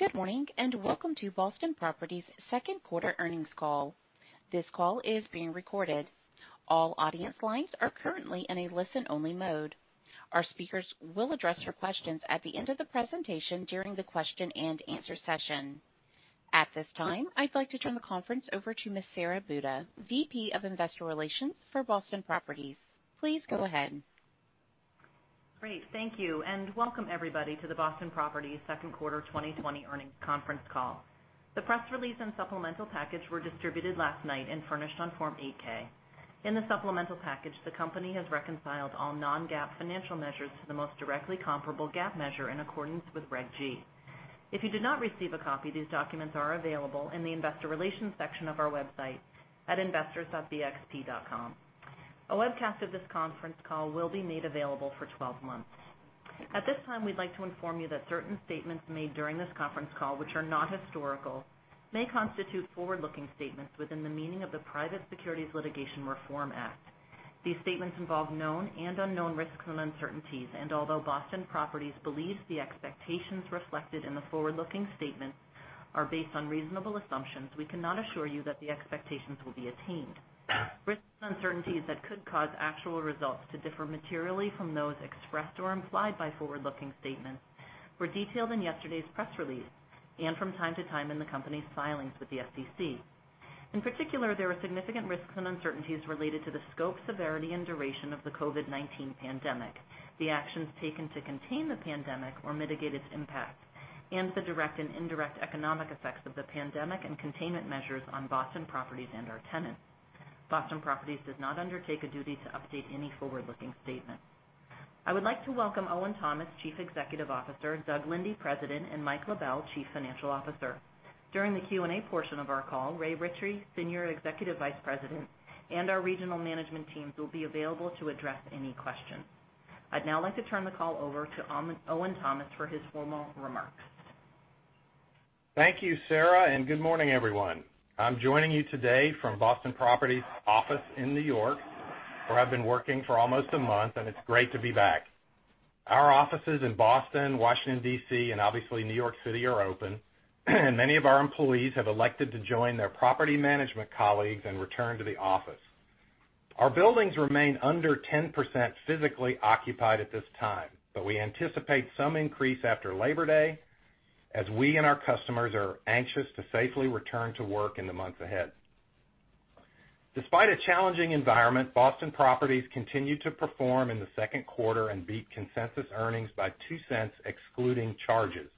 Good morning, and welcome to Boston Properties' second quarter earnings call. This call is being recorded. All audience lines are currently in a listen-only mode. Our speakers will address your questions at the end of the presentation during the question and answer session. At this time, I'd like to turn the conference over to Ms. Sara Buda, VP of Investor Relations for Boston Properties. Please go ahead. Great. Thank you, welcome everybody to the Boston Properties second quarter 2020 earnings conference call. The press release and supplemental package were distributed last night and furnished on Form 8-K. In the supplemental package, the company has reconciled all non-GAAP financial measures to the most directly comparable GAAP measure in accordance with Reg G. If you did not receive a copy, these documents are available in the investor relations section of our website at investors.bxp.com. A webcast of this conference call will be made available for 12 months. At this time, we'd like to inform you that certain statements made during this conference call, which are not historical, may constitute forward-looking statements within the meaning of the Private Securities Litigation Reform Act. These statements involve known and unknown risks and uncertainties, and although Boston Properties believes the expectations reflected in the forward-looking statements are based on reasonable assumptions, we cannot assure you that the expectations will be attained. Risks and uncertainties that could cause actual results to differ materially from those expressed or implied by forward-looking statements were detailed in yesterday's press release and from time to time in the company's filings with the SEC. In particular, there are significant risks and uncertainties related to the scope, severity, and duration of the COVID-19 pandemic, the actions taken to contain the pandemic or mitigate its impact, and the direct and indirect economic effects of the pandemic and containment measures on Boston Properties and our tenants. Boston Properties does not undertake a duty to update any forward-looking statement. I would like to welcome Owen Thomas, Chief Executive Officer, Doug Linde, President, and Mike LaBelle, Chief Financial Officer. During the Q&A portion of our call, Ray Ritchey, Senior Executive Vice President, and our regional management teams will be available to address any questions. I'd now like to turn the call over to Owen Thomas for his formal remarks. Thank you, Sara. Good morning, everyone. I'm joining you today from Boston Properties' office in New York, where I've been working for almost a month, and it's great to be back. Our offices in Boston, Washington, D.C., and obviously New York City are open, and many of our employees have elected to join their property management colleagues and return to the office. Our buildings remain under 10% physically occupied at this time, but we anticipate some increase after Labor Day as we and our customers are anxious to safely return to work in the months ahead. Despite a challenging environment, Boston Properties continued to perform in the second quarter and beat consensus earnings by $0.02 excluding charges.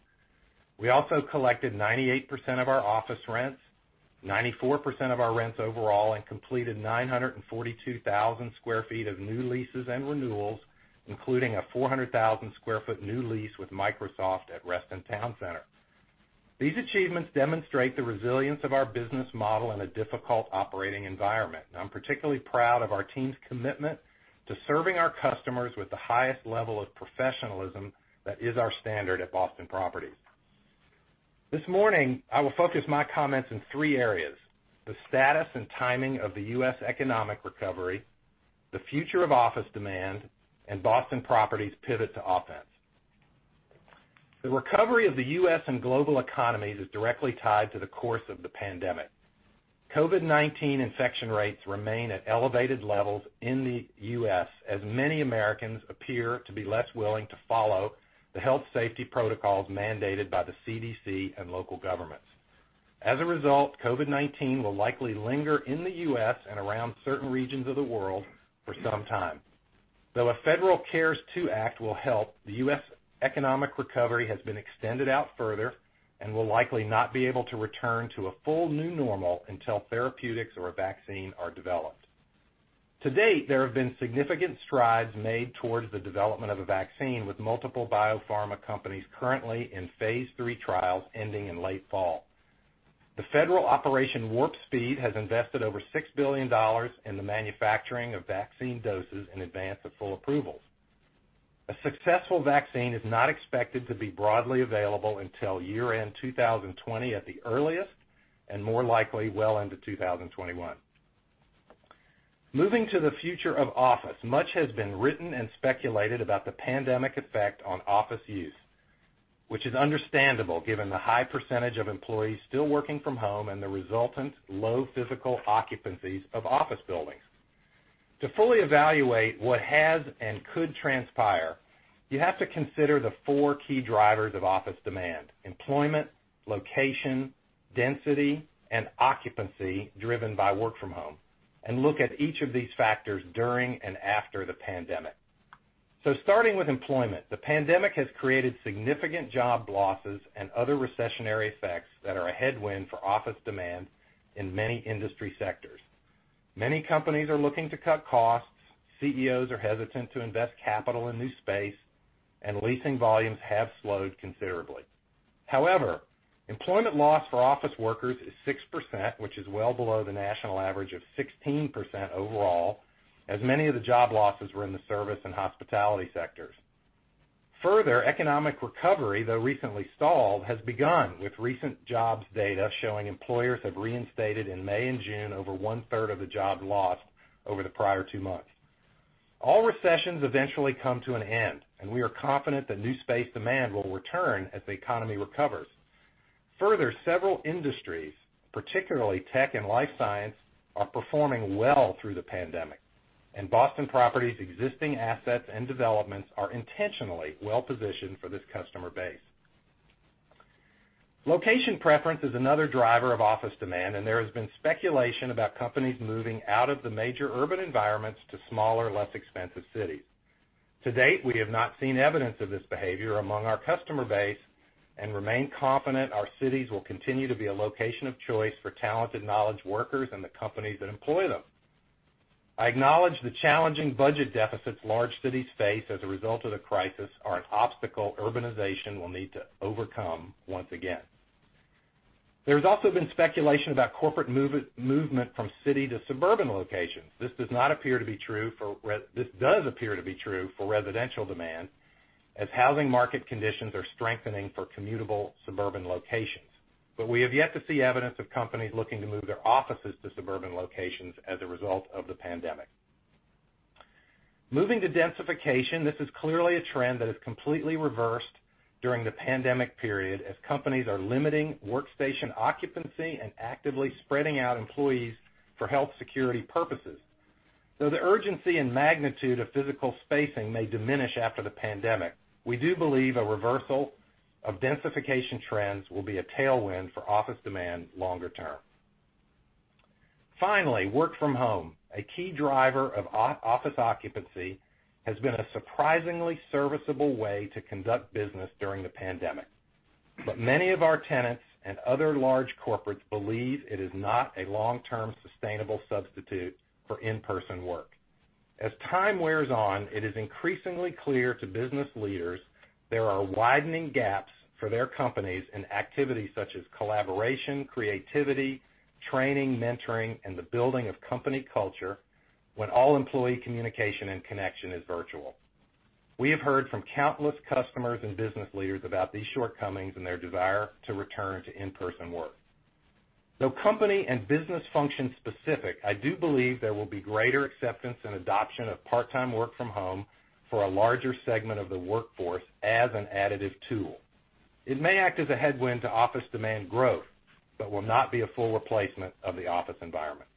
We also collected 98% of our office rents, 94% of our rents overall, and completed 942,000 sq ft of new leases and renewals, including a 400,000 sq ft new lease with Microsoft at Reston Town Center. These achievements demonstrate the resilience of our business model in a difficult operating environment, and I'm particularly proud of our team's commitment to serving our customers with the highest level of professionalism that is our standard at Boston Properties. This morning, I will focus my comments in three areas: the status and timing of the U.S. economic recovery, the future of office demand, and Boston Properties' pivot to offense. The recovery of the U.S. and global economies is directly tied to the course of the pandemic. COVID-19 infection rates remain at elevated levels in the U.S., as many Americans appear to be less willing to follow the health safety protocols mandated by the CDC and local governments. As a result, COVID-19 will likely linger in the U.S. and around certain regions of the world for some time. Though a federal CARES 2 Act will help, the U.S. economic recovery has been extended out further and will likely not be able to return to a full new normal until therapeutics or a vaccine are developed. To date, there have been significant strides made towards the development of a vaccine, with multiple biopharma companies currently in phase III trials ending in late fall. The federal Operation Warp Speed has invested over $6 billion in the manufacturing of vaccine doses in advance of full approvals. A successful vaccine is not expected to be broadly available until year-end 2020 at the earliest, and more likely well into 2021. Moving to the future of office, much has been written and speculated about the pandemic effect on office use, which is understandable given the high percentage of employees still working from home and the resultant low physical occupancies of office buildings. To fully evaluate what has and could transpire, you have to consider the four key drivers of office demand, employment, location, density, and occupancy driven by work from home, and look at each of these factors during and after the pandemic. Starting with employment, the pandemic has created significant job losses and other recessionary effects that are a headwind for office demand in many industry sectors. Many companies are looking to cut costs, CEOs are hesitant to invest capital in new space, and leasing volumes have slowed considerably. However, employment loss for office workers is 6%, which is well below the national average of 16% overall, as many of the job losses were in the service and hospitality sectors. Further economic recovery, though recently stalled, has begun with recent jobs data showing employers have reinstated in May and June over one-third of the jobs lost over the prior two months. All recessions eventually come to an end, and we are confident that new space demand will return as the economy recovers. Further, several industries, particularly tech and life science, are performing well through the pandemic, and Boston Properties' existing assets and developments are intentionally well-positioned for this customer base. Location preference is another driver of office demand, and there has been speculation about companies moving out of the major urban environments to smaller, less expensive cities. To date, we have not seen evidence of this behavior among our customer base and remain confident our cities will continue to be a location of choice for talented knowledge workers and the companies that employ them. I acknowledge the challenging budget deficits large cities face as a result of the crisis are an obstacle urbanization will need to overcome once again. There's also been speculation about corporate movement from city to suburban locations. This does appear to be true for residential demand, as housing market conditions are strengthening for commutable suburban locations. We have yet to see evidence of companies looking to move their offices to suburban locations as a result of the pandemic. Moving to densification, this is clearly a trend that has completely reversed during the pandemic period as companies are limiting workstation occupancy and actively spreading out employees for health security purposes. Though the urgency and magnitude of physical spacing may diminish after the pandemic, we do believe a reversal of densification trends will be a tailwind for office demand longer term. Finally, work from home. A key driver of office occupancy has been a surprisingly serviceable way to conduct business during the pandemic. Many of our tenants and other large corporates believe it is not a long-term sustainable substitute for in-person work. As time wears on, it is increasingly clear to business leaders there are widening gaps for their companies in activities such as collaboration, creativity, training, mentoring, and the building of company culture when all employee communication and connection is virtual. We have heard from countless customers and business leaders about these shortcomings and their desire to return to in-person work. Though company and business function specific, I do believe there will be greater acceptance and adoption of part-time work from home for a larger segment of the workforce as an additive tool. It may act as a headwind to office demand growth but will not be a full replacement of the office environment.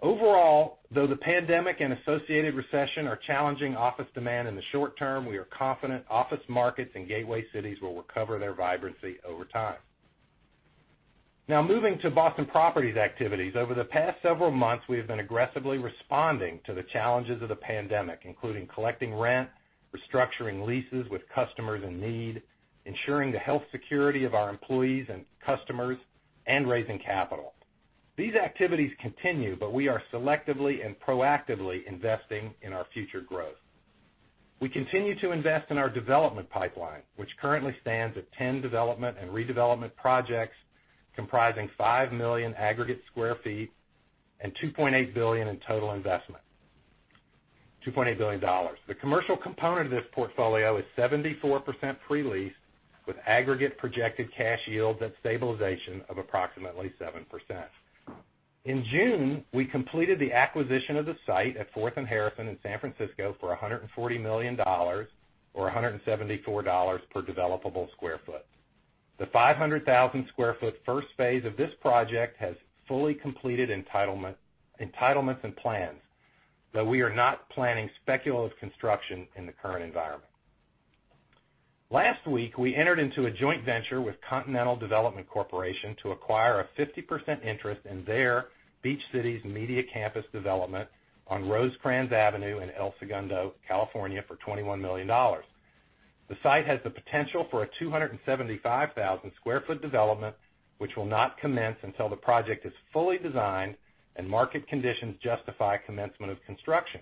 Overall, though the pandemic and associated recession are challenging office demand in the short term, we are confident office markets in gateway cities will recover their vibrancy over time. Now moving to Boston Properties' activities. Over the past several months, we have been aggressively responding to the challenges of the pandemic, including collecting rent, restructuring leases with customers in need, ensuring the health security of our employees and customers, and raising capital. These activities continue, but we are selectively and proactively investing in our future growth. We continue to invest in our development pipeline, which currently stands at 10 development and redevelopment projects comprising 5 million aggregate square feet and $2.8 billion in total investment. The commercial component of this portfolio is 74% pre-leased with aggregate projected cash yields at stabilization of approximately 7%. In June, we completed the acquisition of the site at Fourth and Harrison in San Francisco for $140 million or $174 per developable square foot. The 500,000 sq ft first phase of this project has fully completed entitlements and plans, though we are not planning speculative construction in the current environment. Last week, we entered into a joint venture with Continental Development Corporation to acquire a 50% interest in their Beach Cities Media Campus development on Rosecrans Avenue in El Segundo, California, for $21 million. The site has the potential for a 275,000 sq ft development, which will not commence until the project is fully designed and market conditions justify commencement of construction.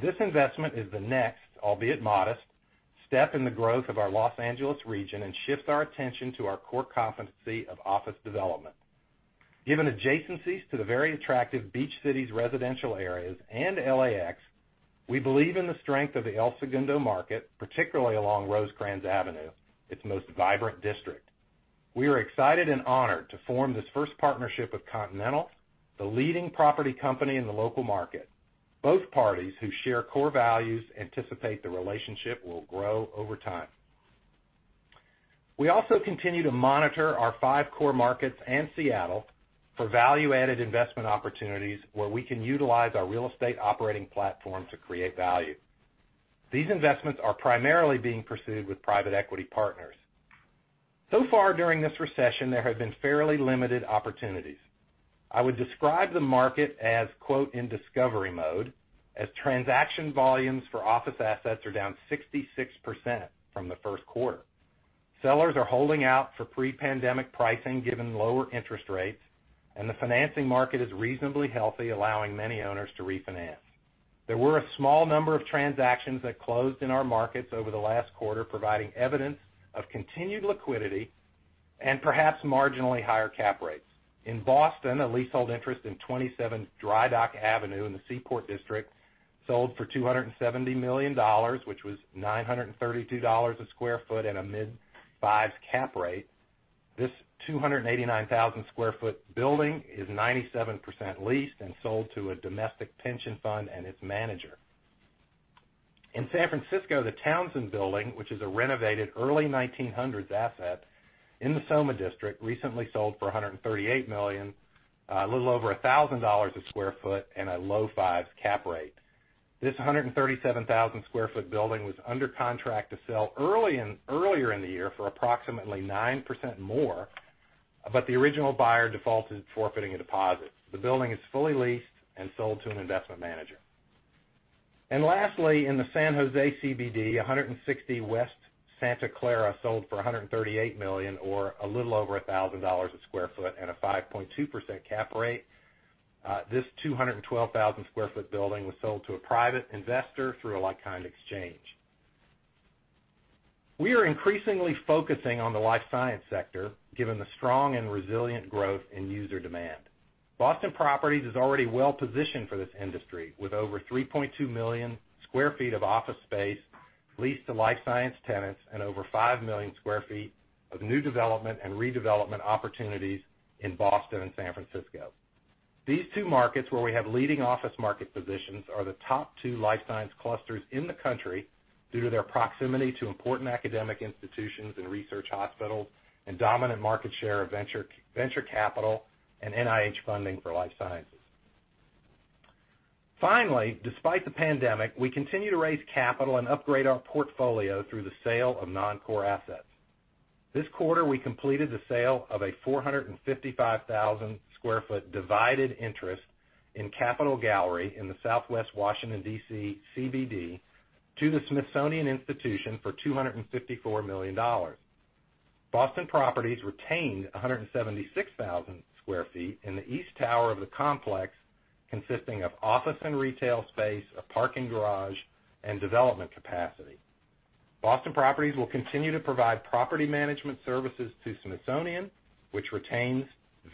This investment is the next, albeit modest, step in the growth of our Los Angeles region and shifts our attention to our core competency of office development. Given adjacencies to the very attractive Beach Cities residential areas and LAX, we believe in the strength of the El Segundo market, particularly along Rosecrans Avenue, its most vibrant district. We are excited and honored to form this first partnership with Continental, the leading property company in the local market, both parties who share core values anticipate the relationship will grow over time. We also continue to monitor our five core markets and Seattle for value-added investment opportunities where we can utilize our real estate operating platform to create value. These investments are primarily being pursued with private equity partners. So far during this recession, there have been fairly limited opportunities. I would describe the market as, quote, "in discovery mode" as transaction volumes for office assets are down 66% from the first quarter. Sellers are holding out for pre-pandemic pricing given lower interest rates, and the financing market is reasonably healthy, allowing many owners to refinance. There were a small number of transactions that closed in our markets over the last quarter, providing evidence of continued liquidity and perhaps marginally higher cap rates. In Boston, a leasehold interest in 27 Dry Dock Avenue in the Seaport district sold for $270 million, which was $932 a square foot at a mid-five cap rate. This 289,000 sq ft building is 97% leased and sold to a domestic pension fund and its manager. In San Francisco, the Townsend building, which is a renovated early 1900s asset in the SoMa district, recently sold for $138 million, a little over $1,000 a square foot and a low fives cap rate. This 137,000 sq ft building was under contract to sell earlier in the year for approximately 9% more. The original buyer defaulted, forfeiting a deposit. The building is fully leased and sold to an investment manager. Lastly, in the San Jose CBD, 160 West Santa Clara sold for $138 million or a little over $1,000 a sq ft at a 5.2% cap rate. This 212,000 sq ft building was sold to a private investor through a like-kind exchange. We are increasingly focusing on the life science sector, given the strong and resilient growth in user demand. Boston Properties is already well-positioned for this industry with over 3.2 million square feet of office space leased to life science tenants and over 5 million square feet of new development and redevelopment opportunities in Boston and San Francisco. These two markets where we have leading office market positions are the top two life science clusters in the country due to their proximity to important academic institutions and research hospitals and dominant market share of venture capital and NIH funding for life sciences. Finally, despite the pandemic, we continue to raise capital and upgrade our portfolio through the sale of non-core assets. This quarter, we completed the sale of a 455,000 sq ft divided interest in Capital Gallery in the southwest Washington, D.C., CBD to the Smithsonian Institution for $254 million. Boston Properties retained 176,000 sq ft in the east tower of the complex, consisting of office and retail space, a parking garage, and development capacity. Boston Properties will continue to provide property management services to Smithsonian, which retains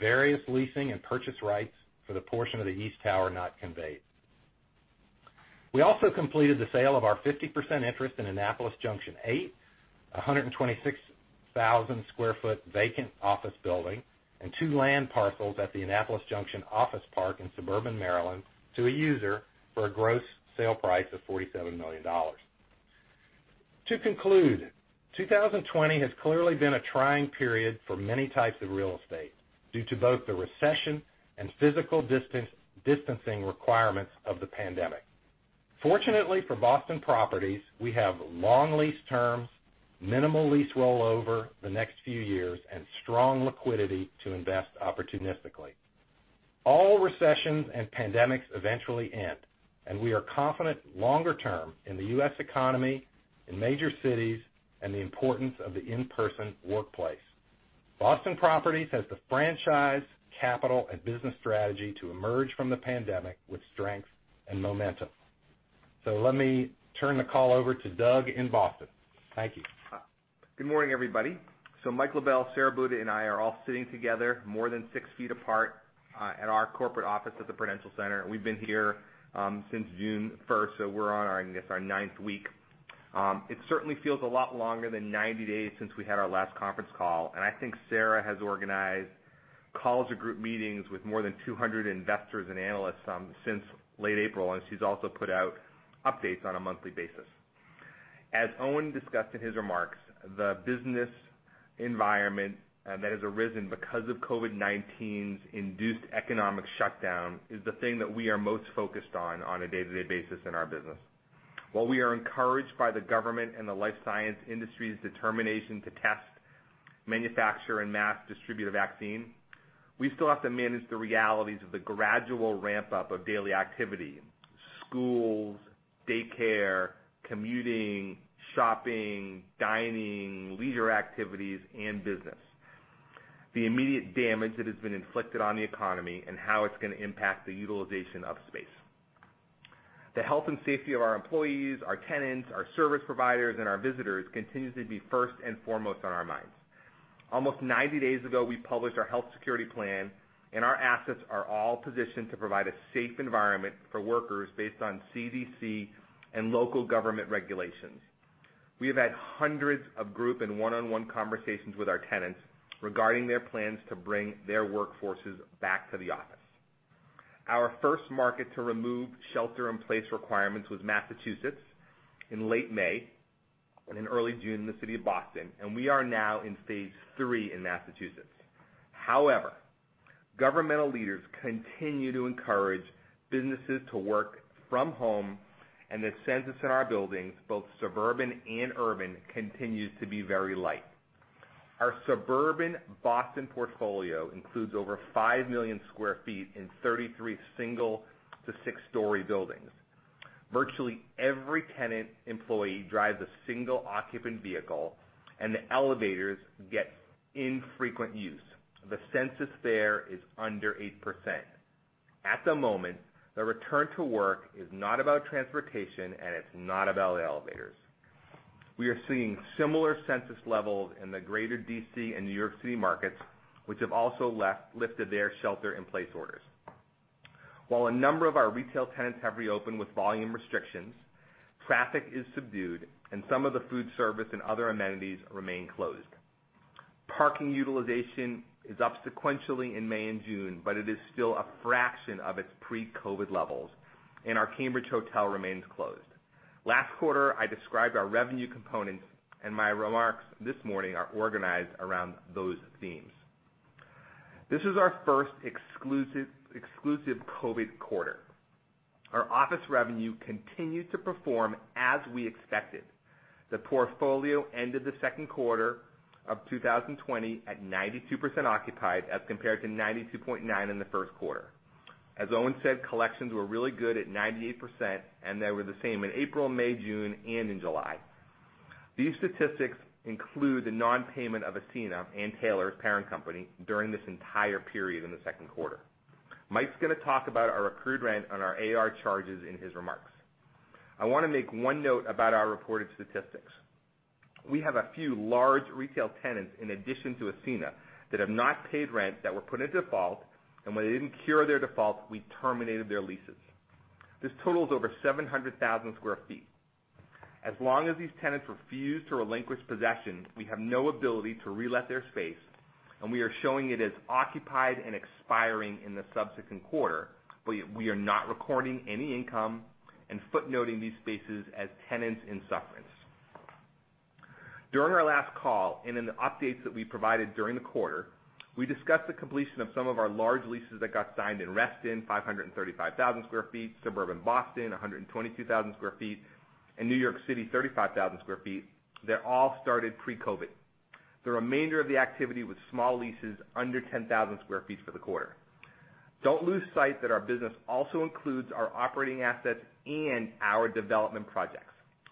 various leasing and purchase rights for the portion of the east tower not conveyed. We also completed the sale of our 50% interest in Annapolis Junction eight, 126,000 sq ft vacant office building and two land parcels at the Annapolis Junction Office Park in suburban Maryland to a user for a gross sale price of $47 million. To conclude, 2020 has clearly been a trying period for many types of real estate due to both the recession and physical distancing requirements of the pandemic. Fortunately for Boston Properties, we have long lease terms, minimal lease rollover the next few years, and strong liquidity to invest opportunistically. All recessions and pandemics eventually end, and we are confident longer term in the U.S. economy, in major cities, and the importance of the in-person workplace. Boston Properties has the franchise, capital, and business strategy to emerge from the pandemic with strength and momentum. Let me turn the call over to Doug in Boston. Thank you. Good morning, everybody. Mike LaBelle, Sara Buda, and I are all sitting together, more than six feet apart, at our corporate office at the Prudential Center. We've been here since June 1st, so we're on our ninth week. It certainly feels a lot longer than 90 days since we had our last conference call, and I think Sara has organized calls or group meetings with more than 200 investors and analysts since late April, and she's also put out updates on a monthly basis. As Owen discussed in his remarks, the business environment that has arisen because of COVID-19's induced economic shutdown is the thing that we are most focused on a day-to-day basis in our business. While we are encouraged by the government and the life science industry's determination to test, manufacture, and mass distribute a vaccine, we still have to manage the realities of the gradual ramp-up of daily activity. Schools, daycare, commuting, shopping, dining, leisure activities, and business. The immediate damage that has been inflicted on the economy and how it's going to impact the utilization of space. The health and safety of our employees, our tenants, our service providers, and our visitors continues to be first and foremost on our minds. Almost 90 days ago, we published our health security plan, and our assets are all positioned to provide a safe environment for workers based on CDC and local government regulations. We have had hundreds of group and one-on-one conversations with our tenants regarding their plans to bring their workforces back to the office. Our first market to remove shelter in place requirements was Massachusetts in late May and in early June in the city of Boston. We are now in phase III in Massachusetts. Governmental leaders continue to encourage businesses to work from home. The census in our buildings, both suburban and urban, continues to be very light. Our suburban Boston portfolio includes over 5 million square feet in 33 single to six story buildings. Virtually every tenant employee drives a single-occupant vehicle. The elevators get infrequent use. The census there is under 8%. At the moment, the return to work is not about transportation. It's not about elevators. We are seeing similar census levels in the greater D.C. and New York City markets, which have also lifted their shelter in place orders. While a number of our retail tenants have reopened with volume restrictions, traffic is subdued, and some of the food service and other amenities remain closed. Parking utilization is up sequentially in May and June, but it is still a fraction of its pre-COVID levels, and our Cambridge hotel remains closed. Last quarter, I described our revenue components. My remarks this morning are organized around those themes. This is our first exclusive COVID quarter. Our office revenue continued to perform as we expected. The portfolio ended the second quarter of 2020 at 92% occupied as compared to 92.9% in the first quarter. As Owen said, collections were really good at 98%. They were the same in April, May, June, and in July. These statistics include the non-payment of Ascena and Ann Taylor's parent company during this entire period in the second quarter. Mike's going to talk about our accrued rent and our AR charges in his remarks. I want to make one note about our reported statistics. We have a few large retail tenants in addition to Ascena that have not paid rent, that were put in default, and when they didn't cure their default, we terminated their leases. This totals over 700,000 square feet. As long as these tenants refuse to relinquish possession, we have no ability to relet their space, and we are showing it as occupied and expiring in the subsequent quarter, but we are not recording any income and footnoting these spaces as tenants in sufferance. During our last call and in the updates that we provided during the quarter, we discussed the completion of some of our large leases that got signed in Reston, 535,000 sq ft, suburban Boston, 122,000 sq ft, and New York City, 35,000 sq ft. They all started pre-COVID. The remainder of the activity with small leases under 10,000 sq ft for the quarter. Don't lose sight that our business also includes our operating assets and our development projects.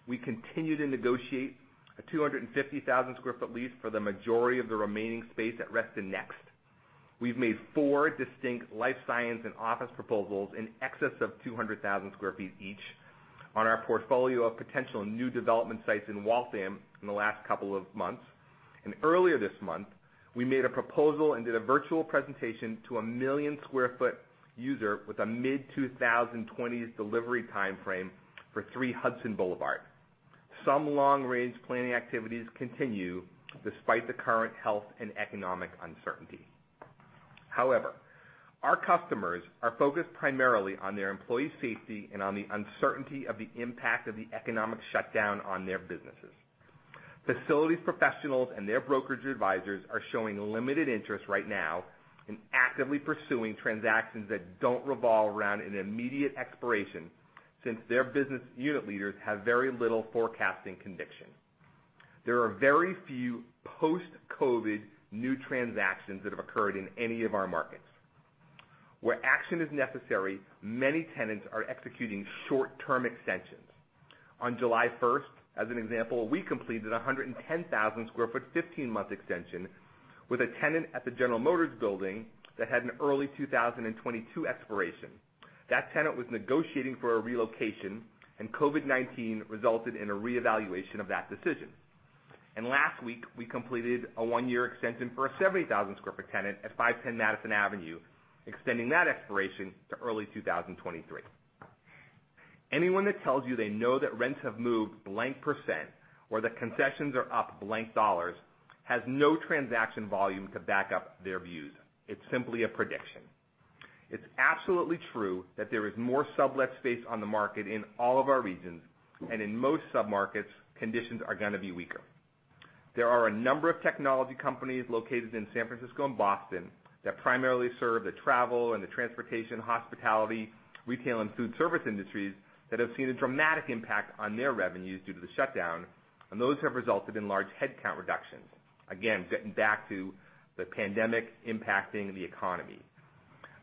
We continue to negotiate a 250,000 sq ft lease for the majority of the remaining space at Reston Next. We've made four distinct life science and office proposals in excess of 200,000 sq ft each on our portfolio of potential new development sites in Waltham in the last couple of months. Earlier this month, we made a proposal and did a virtual presentation to a 1 million square foot user with a mid-2020s delivery timeframe for Three Hudson Boulevard. Some long-range planning activities continue despite the current health and economic uncertainty. However, our customers are focused primarily on their employee safety and on the uncertainty of the impact of the economic shutdown on their businesses. Facilities professionals and their brokerage advisors are showing limited interest right now in actively pursuing transactions that don't revolve around an immediate expiration since their business unit leaders have very little forecasting conviction. There are very few post-COVID new transactions that have occurred in any of our markets. Where action is necessary, many tenants are executing short-term extensions. On July 1st, as an example, we completed 110,000 square foot, 15-month extension with a tenant at the General Motors building that had an early 2022 expiration. That tenant was negotiating for a relocation, COVID-19 resulted in a reevaluation of that decision. Last week, we completed a one-year extension for a 70,000 square foot tenant at 510 Madison Avenue, extending that expiration to early 2023. Anyone that tells you they know that rents have moved blank percent or that concessions are up blank dollars has no transaction volume to back up their views. It's simply a prediction. It's absolutely true that there is more sublet space on the market in all of our regions, and in most sub-markets, conditions are going to be weaker. There are a number of technology companies located in San Francisco and Boston that primarily serve the travel and the transportation, hospitality, retail, and food service industries that have seen a dramatic impact on their revenues due to the shutdown. Those have resulted in large headcount reductions. Again, getting back to the pandemic impacting the economy.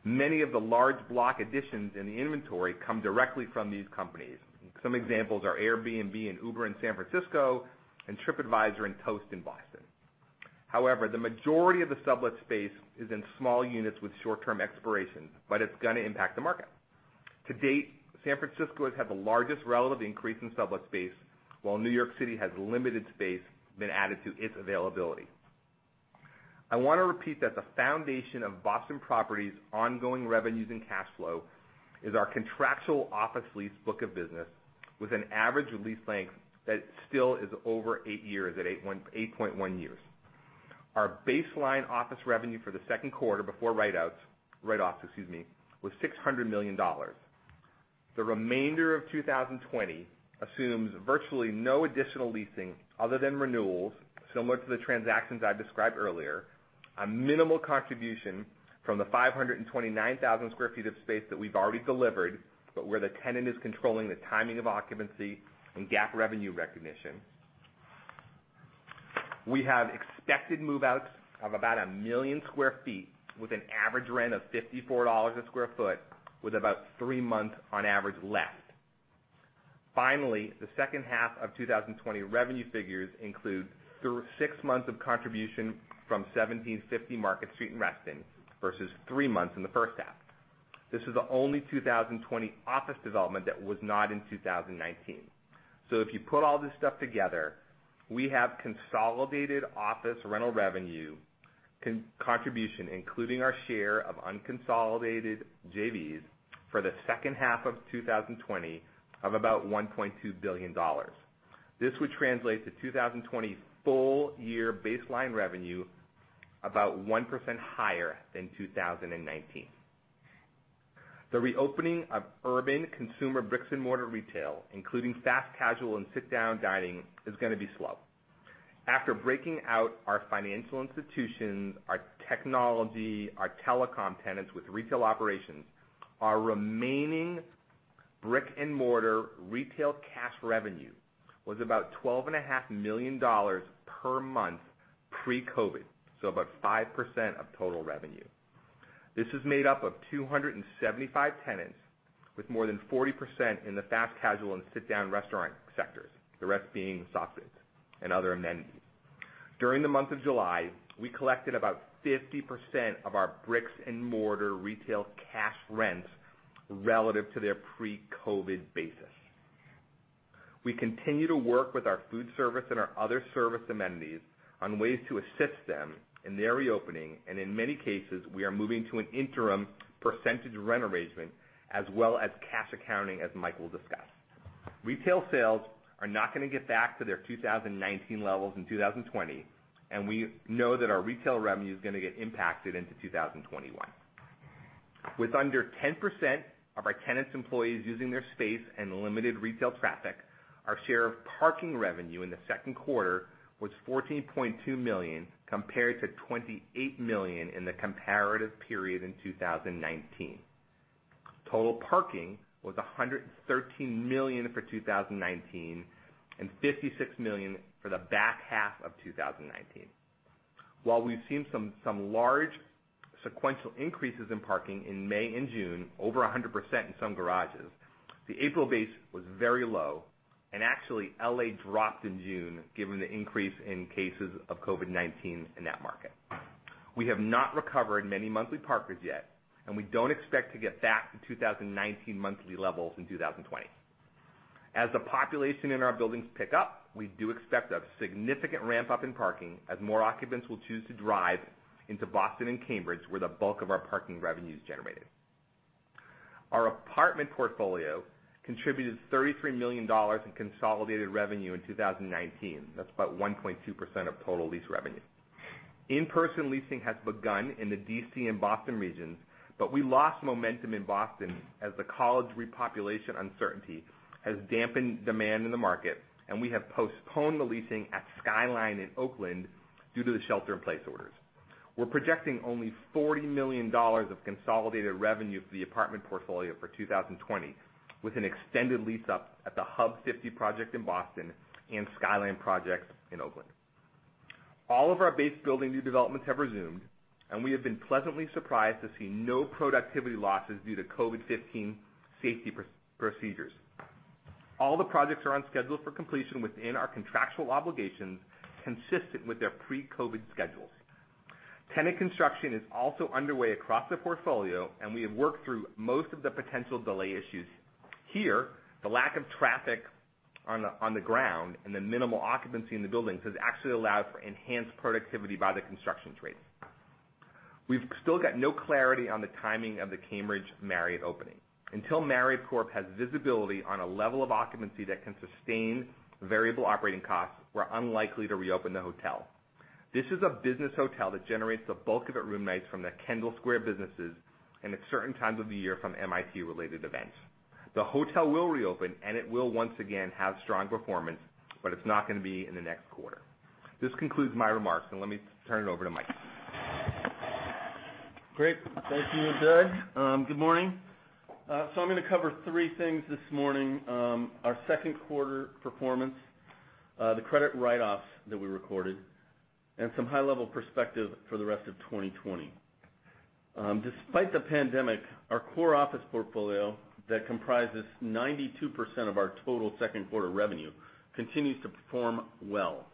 Many of the large block additions in the inventory come directly from these companies. Some examples are Airbnb and Uber in San Francisco and TripAdvisor and Toast in Boston. The majority of the sublet space is in small units with short-term expirations. It's going to impact the market. To date, San Francisco has had the largest relative increase in sublet space, while New York City has limited space been added to its availability. I want to repeat that the foundation of Boston Properties' ongoing revenues and cash flow is our contractual office lease book of business, with an average lease length that still is over eight years at 8.1 years. Our baseline office revenue for the second quarter before writeouts, write-offs, excuse me, was $600 million. The remainder of 2020 assumes virtually no additional leasing other than renewals, similar to the transactions I described earlier, a minimal contribution from the 529,000 sq ft of space that we've already delivered, but where the tenant is controlling the timing of occupancy and GAAP revenue recognition. We have expected move-outs of about 1 million sq ft with an average rent of $54 a square foot with about three months on average left. Finally, the second half of 2020 revenue figures include six months of contribution from 1750 Presidents Street in Reston versus three months in the first half. This is the only 2020 office development that was not in 2019. If you put all this stuff together, we have consolidated office rental revenue contribution, including our share of unconsolidated JVs for the second half of 2020 of about $1.2 billion. This would translate to 2020 full-year baseline revenue about 1% higher than 2019. The reopening of urban consumer bricks and mortar retail, including fast casual and sit-down dining, is going to be slow. After breaking out our financial institutions, our technology, our telecom tenants with retail operations, our remaining brick-and-mortar retail cash revenue was about $12.5 million per month pre-COVID, so about 5% of total revenue. This is made up of 275 tenants with more than 40% in the fast casual and sit-down restaurant sectors, the rest being soft goods and other amenities. During the month of July, we collected about 50% of our bricks and mortar retail cash rents relative to their pre-COVID-19 basis. We continue to work with our food service and our other service amenities on ways to assist them in their reopening, and in many cases, we are moving to an interim percentage rent arrangement as well as cash accounting, as Mike will discuss. Retail sales are not going to get back to their 2019 levels in 2020, and we know that our retail revenue is going to get impacted into 2021. With under 10% of our tenants' employees using their space and limited retail traffic, our share of parking revenue in the second quarter was $14.2 million compared to $28 million in the comparative period in 2019. Total parking was $113 million for 2019 and $56 million for the back half of 2019. While we've seen some large sequential increases in parking in May and June, over 100% in some garages, the April base was very low, and actually L.A. dropped in June given the increase in cases of COVID-19 in that market. We have not recovered many monthly parkers yet, and we don't expect to get back to 2019 monthly levels in 2020. As the population in our buildings pick up, we do expect a significant ramp-up in parking as more occupants will choose to drive into Boston and Cambridge, where the bulk of our parking revenue is generated. Our apartment portfolio contributed $33 million in consolidated revenue in 2019. That's about 1.2% of total lease revenue. In-person leasing has begun in the D.C. and Boston regions, but we lost momentum in Boston as the college repopulation uncertainty has dampened demand in the market, and we have postponed the leasing at Skylyne in Oakland due to the shelter in place orders. We're projecting only $40 million of consolidated revenue for the apartment portfolio for 2020, with an extended lease up at The Hub 50 project in Boston and Skylyne projects in Oakland. All of our base building new developments have resumed, and we have been pleasantly surprised to see no productivity losses due to COVID-19 safety procedures. All the projects are on schedule for completion within our contractual obligations, consistent with their pre-COVID schedules. Tenant construction is also underway across the portfolio, and we have worked through most of the potential delay issues. Here, the lack of traffic on the ground and the minimal occupancy in the buildings has actually allowed for enhanced productivity by the construction trades. We've still got no clarity on the timing of the Cambridge Marriott opening. Until Marriott Corp has visibility on a level of occupancy that can sustain variable operating costs, we're unlikely to reopen the hotel. This is a business hotel that generates the bulk of its room nights from the Kendall Square businesses, and at certain times of the year, from MIT-related events. The hotel will reopen, and it will once again have strong performance, but it's not going to be in the next quarter. This concludes my remarks, and let me turn it over to Mike. Great. Thank you, Doug. Good morning. I'm going to cover three things this morning. Our second quarter performance, the credit write-offs that we recorded, and some high-level perspective for the rest of 2020. Despite the pandemic, our core office portfolio that comprises 92% of our total second quarter revenue continues to perform well.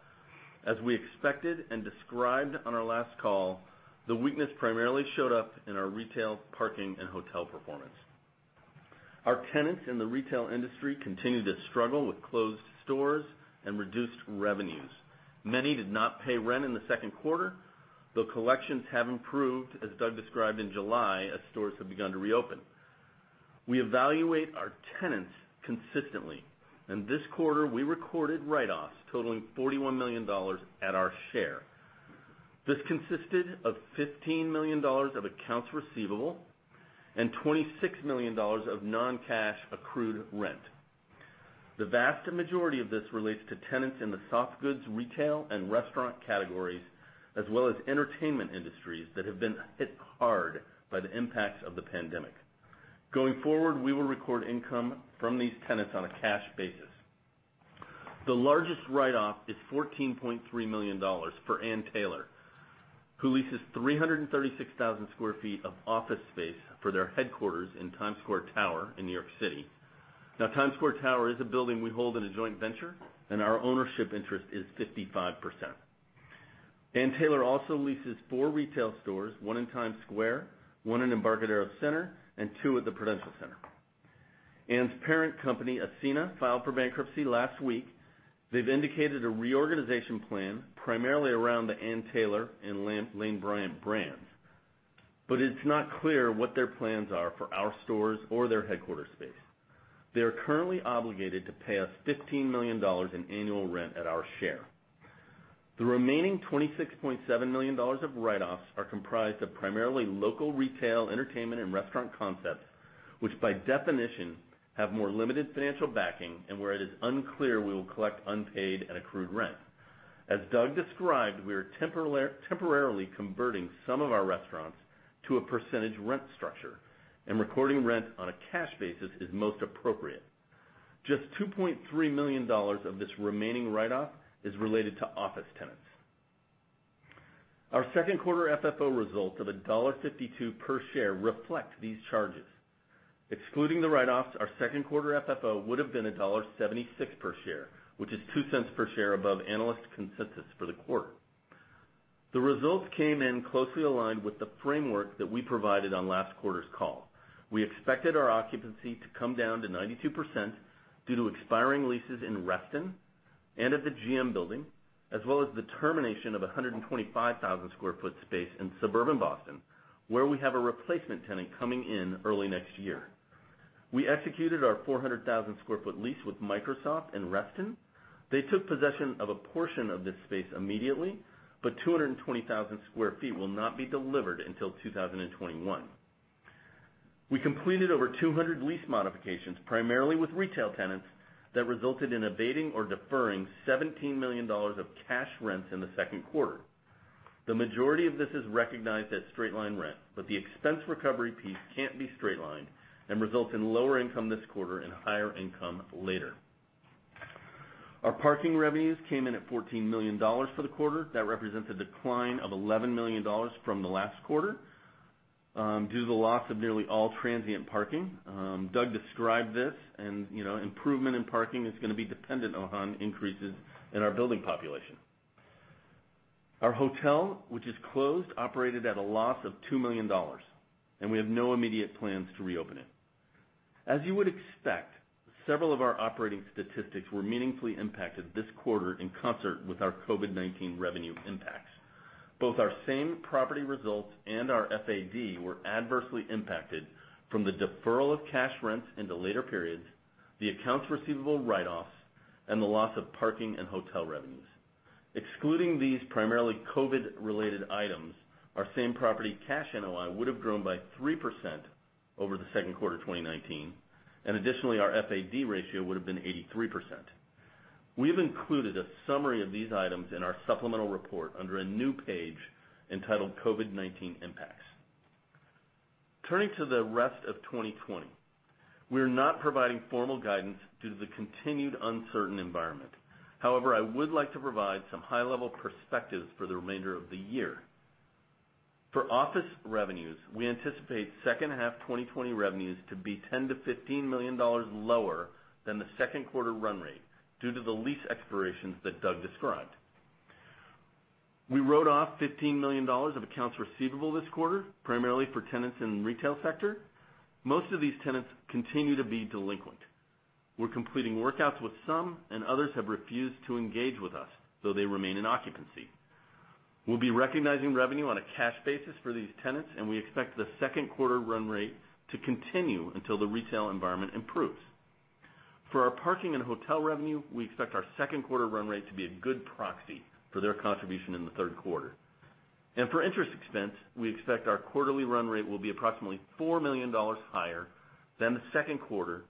As we expected and described on our last call, the weakness primarily showed up in our retail, parking, and hotel performance. Our tenants in the retail industry continue to struggle with closed stores and reduced revenues. Many did not pay rent in the second quarter, though collections have improved, as Doug described in July, as stores have begun to reopen. We evaluate our tenants consistently, and this quarter we recorded write-offs totaling $41 million at our share. This consisted of $15 million of accounts receivable and $26 million of non-cash accrued rent. The vast majority of this relates to tenants in the soft goods, retail, and restaurant categories, as well as entertainment industries that have been hit hard by the impacts of the pandemic. Going forward, we will record income from these tenants on a cash basis. The largest write-off is $14.3 million for Ann Taylor, who leases 336,000 sq ft of office space for their headquarters in Times Square Tower in New York City. Times Square Tower is a building we hold in a joint venture, and our ownership interest is 55%. Ann Taylor also leases four retail stores, one in Times Square, one in Embarcadero Center, and two at the Prudential Center. Ann's parent company, Ascena, filed for bankruptcy last week. They've indicated a reorganization plan primarily around the Ann Taylor and Lane Bryant brands. It's not clear what their plans are for our stores or their headquarter space. They are currently obligated to pay us $15 million in annual rent at our share. The remaining $26.7 million of write-offs are comprised of primarily local retail, entertainment, and restaurant concepts, which by definition, have more limited financial backing and where it is unclear we will collect unpaid and accrued rent. As Doug described, we are temporarily converting some of our restaurants to a percentage rent structure, and recording rent on a cash basis is most appropriate. Just $2.3 million of this remaining write-off is related to office tenants. Our second quarter FFO results of $1.52 per share reflect these charges. Excluding the write-offs, our second quarter FFO would have been $1.76 per share, which is $0.02 per share above analyst consensus for the quarter. The results came in closely aligned with the framework that we provided on last quarter's call. We expected our occupancy to come down to 92% due to expiring leases in Reston and at the GM building, as well as the termination of 125,000 sq ft space in suburban Boston, where we have a replacement tenant coming in early next year. We executed our 400,000 sq ft lease with Microsoft in Reston. They took possession of a portion of this space immediately. 220,000 sq ft will not be delivered until 2021. We completed over 200 lease modifications, primarily with retail tenants, that resulted in abating or deferring $17 million of cash rents in the second quarter. The majority of this is recognized as straight-line rent, the expense recovery piece can't be straight-lined and results in lower income this quarter and higher income later. Our parking revenues came in at $14 million for the quarter. That represents a decline of $11 million from the last quarter, due to the loss of nearly all transient parking. Doug described this and improvement in parking is going to be dependent on increases in our building population. Our hotel, which is closed, operated at a loss of $2 million, and we have no immediate plans to reopen it. As you would expect, several of our operating statistics were meaningfully impacted this quarter in concert with our COVID-19 revenue impacts. Both our same property results and our FAD were adversely impacted from the deferral of cash rents into later periods, the accounts receivable write-offs, and the loss of parking and hotel revenues. Excluding these primarily COVID-related items, our same property cash NOI would have grown by 3% over the second quarter 2019. Additionally, our FAD ratio would have been 83%. We have included a summary of these items in our supplemental report under a new page entitled COVID-19 Impacts. Turning to the rest of 2020. We are not providing formal guidance due to the continued uncertain environment. I would like to provide some high-level perspectives for the remainder of the year. For office revenues, we anticipate second half 2020 revenues to be $10 million-$15 million lower than the second quarter run rate due to the lease expirations that Doug described. We wrote off $15 million of accounts receivable this quarter, primarily for tenants in the retail sector. Most of these tenants continue to be delinquent. We're completing workouts with some, and others have refused to engage with us, so they remain in occupancy. We'll be recognizing revenue on a cash basis for these tenants, and we expect the second quarter run rate to continue until the retail environment improves. For our parking and hotel revenue, we expect our second quarter run rate to be a good proxy for their contribution in the third quarter. For interest expense, we expect our quarterly run rate will be approximately $4 million higher than the second quarter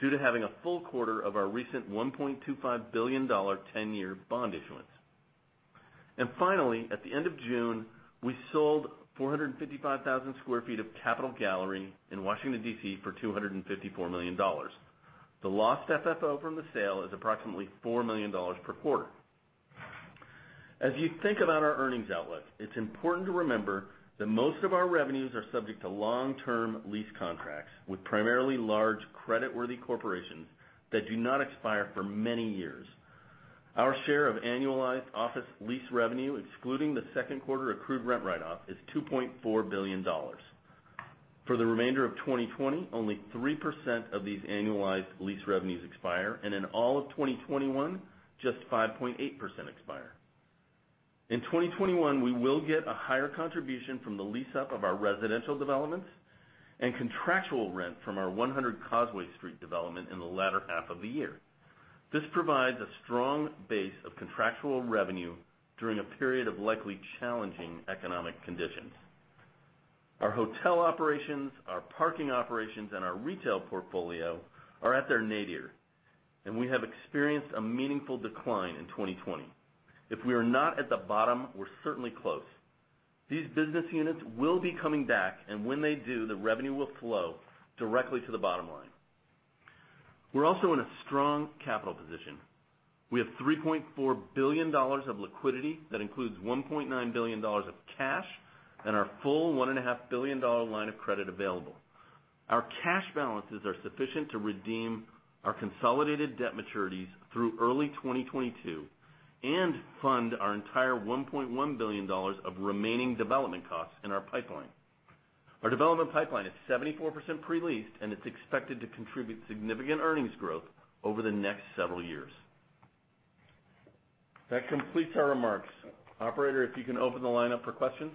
due to having a full quarter of our recent $1.25 billion 10-year bond issuance. Finally, at the end of June, we sold 455,000 square feet of Capital Gallery in Washington, D.C. for $254 million. The lost FFO from the sale is approximately $4 million per quarter. As you think about our earnings outlook, it's important to remember that most of our revenues are subject to long-term lease contracts with primarily large credit-worthy corporations that do not expire for many years. Our share of annualized office lease revenue, excluding the second quarter accrued rent write-off, is $2.4 billion. For the remainder of 2020, only 3% of these annualized lease revenues expire, and in all of 2021, just 5.8% expire. In 2021, we will get a higher contribution from the lease up of our residential developments and contractual rent from our 100 Causeway Street development in the latter half of the year. This provides a strong base of contractual revenue during a period of likely challenging economic conditions. Our hotel operations, our parking operations, and our retail portfolio are at their nadir, and we have experienced a meaningful decline in 2020. If we are not at the bottom, we're certainly close. These business units will be coming back, and when they do, the revenue will flow directly to the bottom line. We're also in a strong capital position. We have $3.4 billion of liquidity. That includes $1.9 billion of cash and our full $1.5 billion line of credit available. Our cash balances are sufficient to redeem our consolidated debt maturities through early 2022. Fund our entire $1.1 billion of remaining development costs in our pipeline. Our development pipeline is 74% pre-leased, and it's expected to contribute significant earnings growth over the next several years. That completes our remarks. Operator, if you can open the line up for questions.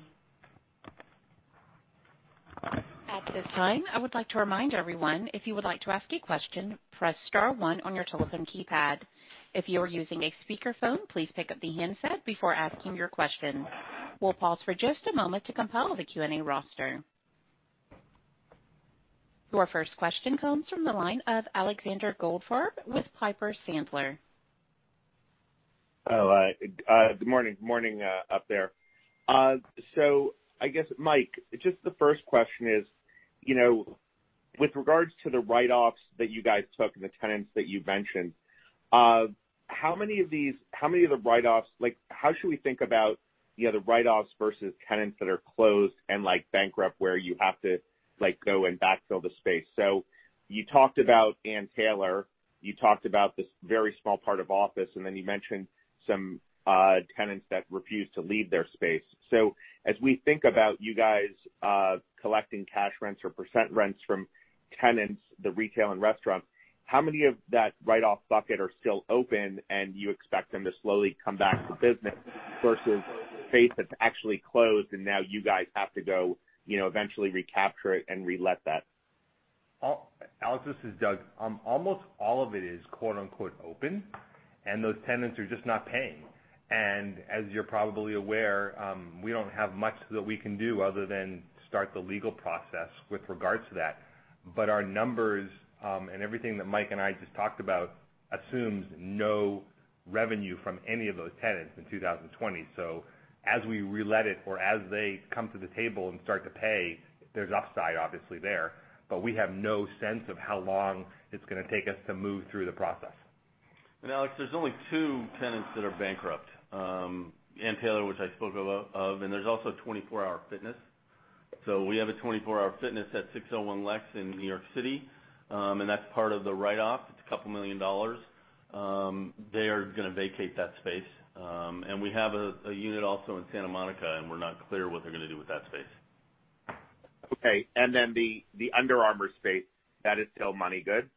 At this time, I would like to remind everyone, if you would like to ask a question, press star one on your telephone keypad. If you are using a speakerphone, please pick up the handset before asking your question. We'll pause for just a moment to compile the Q&A roster. Your first question comes from the line of Alexander Goldfarb with Piper Sandler. Hello. Good morning up there. I guess, Mike, just the first question is, with regards to the write-offs that you guys took and the tenants that you've mentioned, how should we think about the write-offs versus tenants that are closed and bankrupt, where you have to go and backfill the space? You talked about Ann Taylor, you talked about this very small part of office, and then you mentioned some tenants that refuse to leave their space. As we think about you guys collecting cash rents or percent rents from tenants, the retail and restaurants, how many of that write-off bucket are still open, and you expect them to slowly come back to business, versus space that's actually closed, and now you guys have to go eventually recapture it and relet that? Alex, this is Doug. Almost all of it is quote unquote open, and those tenants are just not paying. As you're probably aware, we don't have much that we can do other than start the legal process with regards to that. Our numbers, and everything that Mike and I just talked about, assumes no revenue from any of those tenants in 2020. As we relet it, or as they come to the table and start to pay, there's upside, obviously there, but we have no sense of how long it's going to take us to move through the process. Alex, there's only two tenants that are bankrupt. Ann Taylor, which I spoke of, and there's also 24 Hour Fitness. We have a 24 Hour Fitness at 601 Lex in New York City, and that's part of the write-off. It's a couple million dollars. They are going to vacate that space. We have a unit also in Santa Monica, and we're not clear what they're going to do with that space. Okay, the Under Armour space, that is still money good?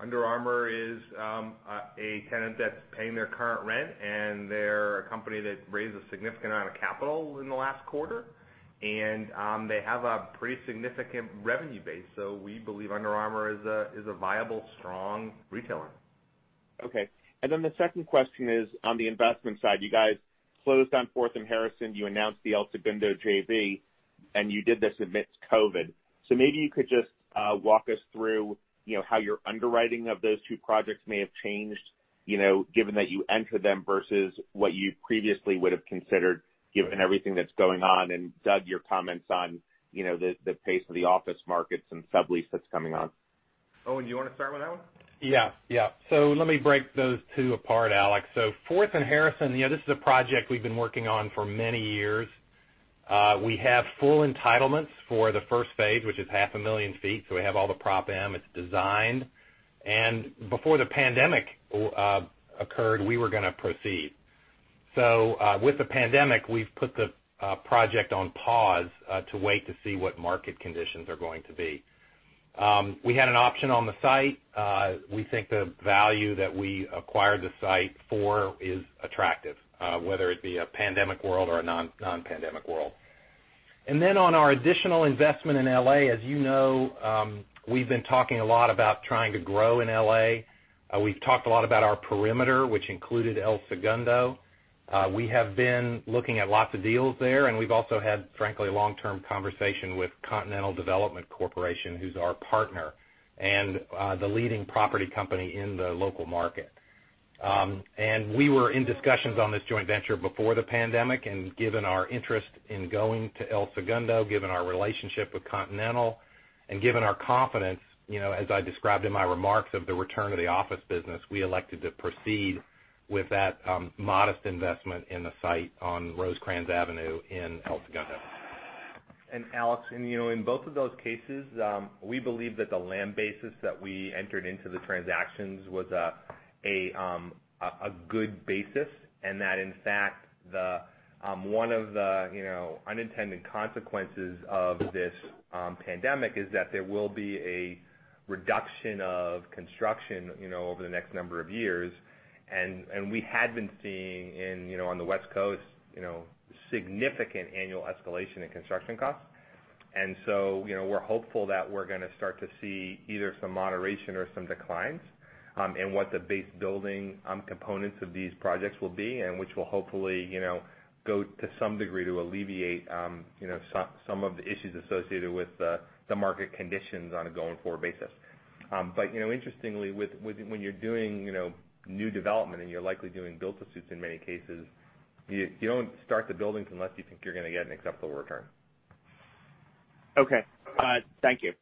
Under Armour is a tenant that's paying their current rent, and they're a company that raised a significant amount of capital in the last quarter. They have a pretty significant revenue base. We believe Under Armour is a viable, strong retailer. Okay. The second question is on the investment side. You guys closed on Fourth and Harrison, you announced the El Segundo JV, and you did this amidst COVID. Maybe you could just walk us through how your underwriting of those two projects may have changed, given that you entered them versus what you previously would've considered, given everything that's going on. Doug, your comments on the pace of the office markets and sublease that's coming on. Owen, do you want to start with that one? Yeah. Let me break those two apart, Alex. Fourth and Harrison, this is a project we've been working on for many years. We have full entitlements for the first phase, which is half a million feet. We have all the Prop M. It's designed. Before the pandemic occurred, we were going to proceed. With the pandemic, we've put the project on pause to wait to see what market conditions are going to be. We had an option on the site. We think the value that we acquired the site for is attractive, whether it be a pandemic world or a non-pandemic world. On our additional investment in L.A., as you know, we've been talking a lot about trying to grow in L.A. We've talked a lot about our perimeter, which included El Segundo. We have been looking at lots of deals there, and we've also had, frankly, long-term conversation with Continental Development Corporation, who's our partner and the leading property company in the local market. We were in discussions on this joint venture before the pandemic, and given our interest in going to El Segundo, given our relationship with Continental, and given our confidence, as I described in my remarks, of the return of the office business, we elected to proceed with that modest investment in the site on Rosecrans Avenue in El Segundo. Alex, in both of those cases, we believe that the land basis that we entered into the transactions was a good basis, that in fact, one of the unintended consequences of this pandemic is that there will be a reduction of construction over the next number of years. We had been seeing on the West Coast, significant annual escalation in construction costs. We're hopeful that we're going to start to see either some moderation or some declines in what the base building components of these projects will be, which will hopefully go to some degree to alleviate some of the issues associated with the market conditions on a going-forward basis. Interestingly, when you're doing new development and you're likely doing build-to-suits in many cases, you don't start the buildings unless you think you're going to get an acceptable return. Okay. Thank you.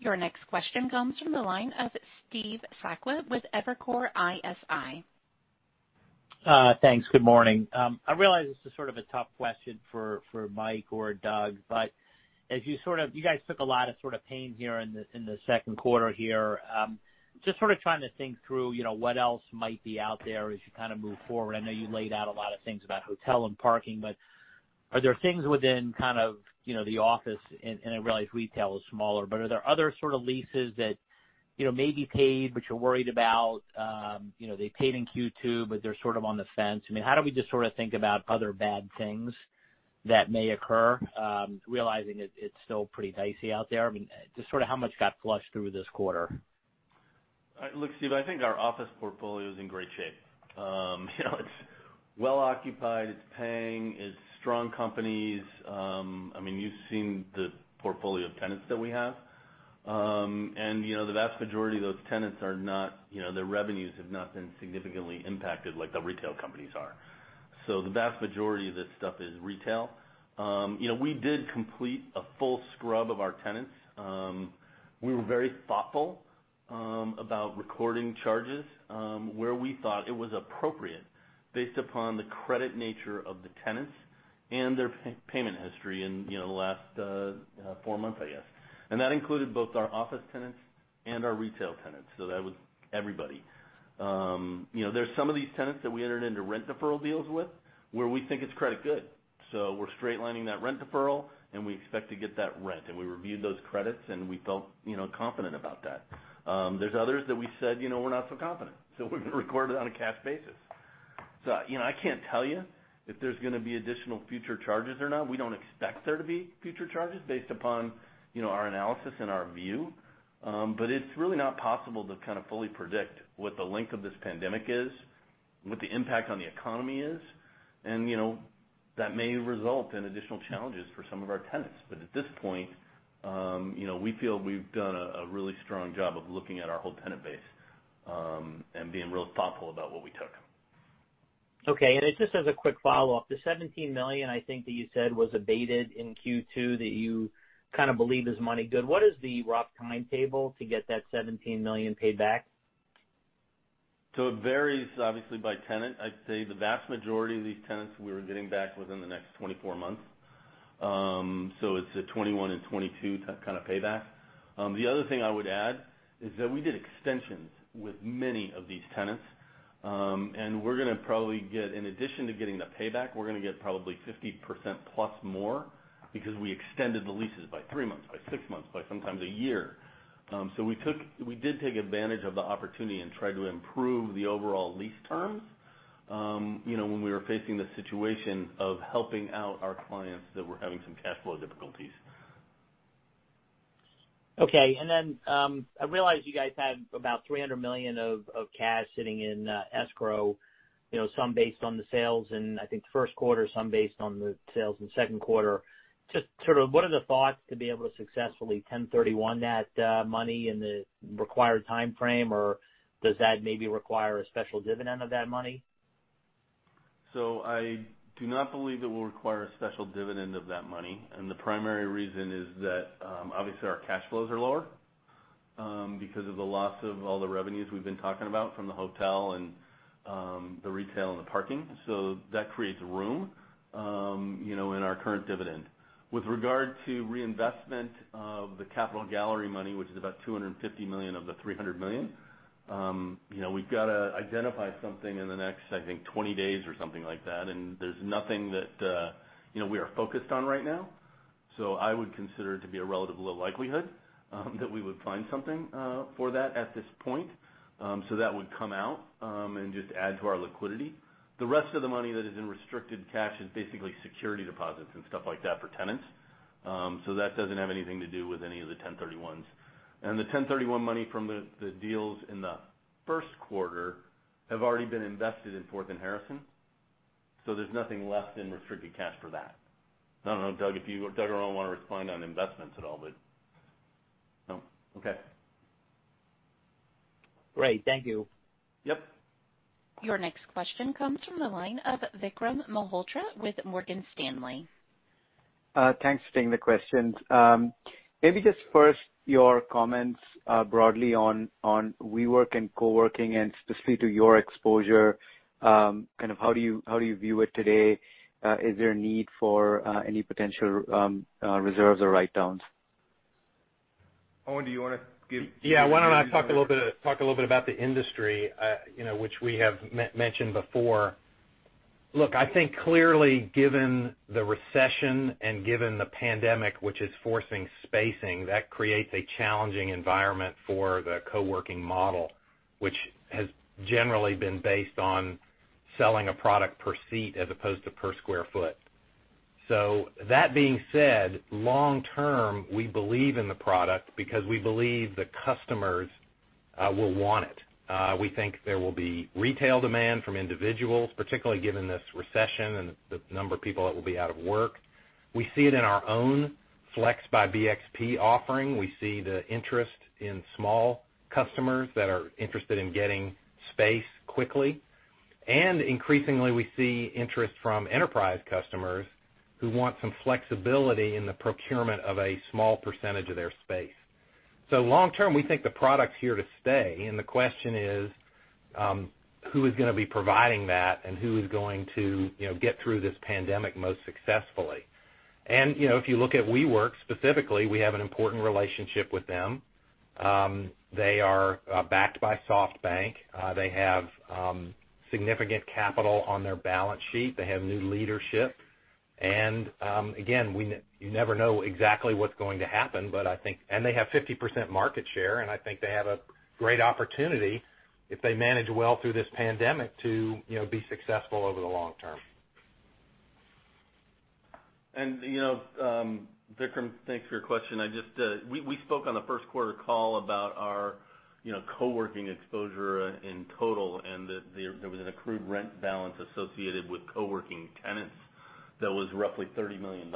Your next question comes from the line of Steve Sakwa with Evercore ISI. Thanks. Good morning. I realize this is sort of a tough question for Mike or Doug, but you guys took a lot of sort of pain here in the second quarter here. Just sort of trying to think through, what else might be out there as you kind of move forward. I know you laid out a lot of things about hotel and parking, but are there things within kind of the office, and I realize retail is smaller, but are there other sort of leases that maybe paid but you're worried about? They paid in Q2, but they're sort of on the fence. I mean, how do we just sort of think about other bad things that may occur, realizing it's still pretty dicey out there? I mean, just sort of how much got flushed through this quarter? Look, Steve, I think our office portfolio is in great shape. It's well occupied, it's paying, it's strong companies. I mean, you've seen the portfolio of tenants that we have. The vast majority of those tenants, their revenues have not been significantly impacted like the retail companies are. The vast majority of this stuff is retail. We did complete a full scrub of our tenants. We were very thoughtful about recording charges where we thought it was appropriate based upon the credit nature of the tenants and their payment history in the last four months, I guess. That included both our office tenants and our retail tenants. That was everybody. There's some of these tenants that we entered into rent deferral deals with, where we think it's credit good. We're straight-lining that rent deferral, and we expect to get that rent. We reviewed those credits, and we felt confident about that. There's others that we said, "We're not so confident." We've recorded on a cash basis. I can't tell you if there's going to be additional future charges or not. We don't expect there to be future charges based upon our analysis and our view. It's really not possible to kind of fully predict what the length of this pandemic is, what the impact on the economy is, and that may result in additional challenges for some of our tenants. At this point, we feel we've done a really strong job of looking at our whole tenant base, and being real thoughtful about what we took. Okay. Just as a quick follow-up, the $17 million I think that you said was abated in Q2 that you kind of believe is money good. What is the rough timetable to get that $17 million paid back? It varies obviously by tenant. I'd say the vast majority of these tenants, we are getting back within the next 24 months. It's a 2021 and 2022 kind of payback. The other thing I would add is that we did extensions with many of these tenants. In addition to getting the payback, we're going to get probably 50% plus more because we extended the leases by three months, by six months, by sometimes a year. We did take advantage of the opportunity and tried to improve the overall lease terms, when we were facing the situation of helping out our clients that were having some cash flow difficulties. Okay. I realize you guys had about $300 million of cash sitting in escrow. Some based on the sales in I think the first quarter, some based on the sales in the second quarter. Just sort of what are the thoughts to be able to successfully 1031 that money in the required timeframe, or does that maybe require a special dividend of that money? I do not believe it will require a special dividend of that money, and the primary reason is that, obviously our cash flows are lower because of the loss of all the revenues we've been talking about from the hotel and the retail and the parking. That creates room in our current dividend. With regard to reinvestment of the Capital Gallery money, which is about $250 million of the $300 million. We've got to identify something in the next, I think, 20 days or something like that, and there's nothing that we are focused on right now. I would consider it to be a relatively low likelihood that we would find something for that at this point. That would come out and just add to our liquidity. The rest of the money that is in restricted cash is basically security deposits and stuff like that for tenants. That doesn't have anything to do with any of the 1031s. The 1031 money from the deals in the first quarter have already been invested in Fourth & Harrison. There's nothing left in restricted cash for that. I don't know, Doug or Owen, want to respond on investments at all? No. Okay. Great. Thank you. Yep. Your next question comes from the line of Vikram Malhotra with Morgan Stanley. Thanks for taking the questions. Just first, your comments broadly on WeWork and co-working and specifically to your exposure, kind of how do you view it today? Is there a need for any potential reserves or write-downs? Owen, do you want to give your view on that? Yeah, why don't I talk a little bit about the industry, which we have mentioned before. Look, I think clearly, given the recession and given the pandemic, which is forcing spacing, that creates a challenging environment for the co-working model. Which has generally been based on selling a product per seat as opposed to per square foot. That being said, long term, we believe in the product because we believe the customers will want it. We think there will be retail demand from individuals, particularly given this recession and the number of people that will be out of work. We see it in our own Flex by BXP offering. We see the interest in small customers that are interested in getting space quickly. Increasingly, we see interest from enterprise customers who want some flexibility in the procurement of a small percentage of their space. Long term, we think the product's here to stay, and the question is, who is going to be providing that and who is going to get through this pandemic most successfully? If you look at WeWork specifically, we have an important relationship with them. They are backed by SoftBank. They have significant capital on their balance sheet. They have new leadership. Again, you never know exactly what's going to happen, but I think they have 50% market share, and I think they have a great opportunity if they manage well through this pandemic to be successful over the long term. Vikram, thanks for your question. We spoke on the first quarter call about our co-working exposure in total, and that there was an accrued rent balance associated with co-working tenants that was roughly $30 million.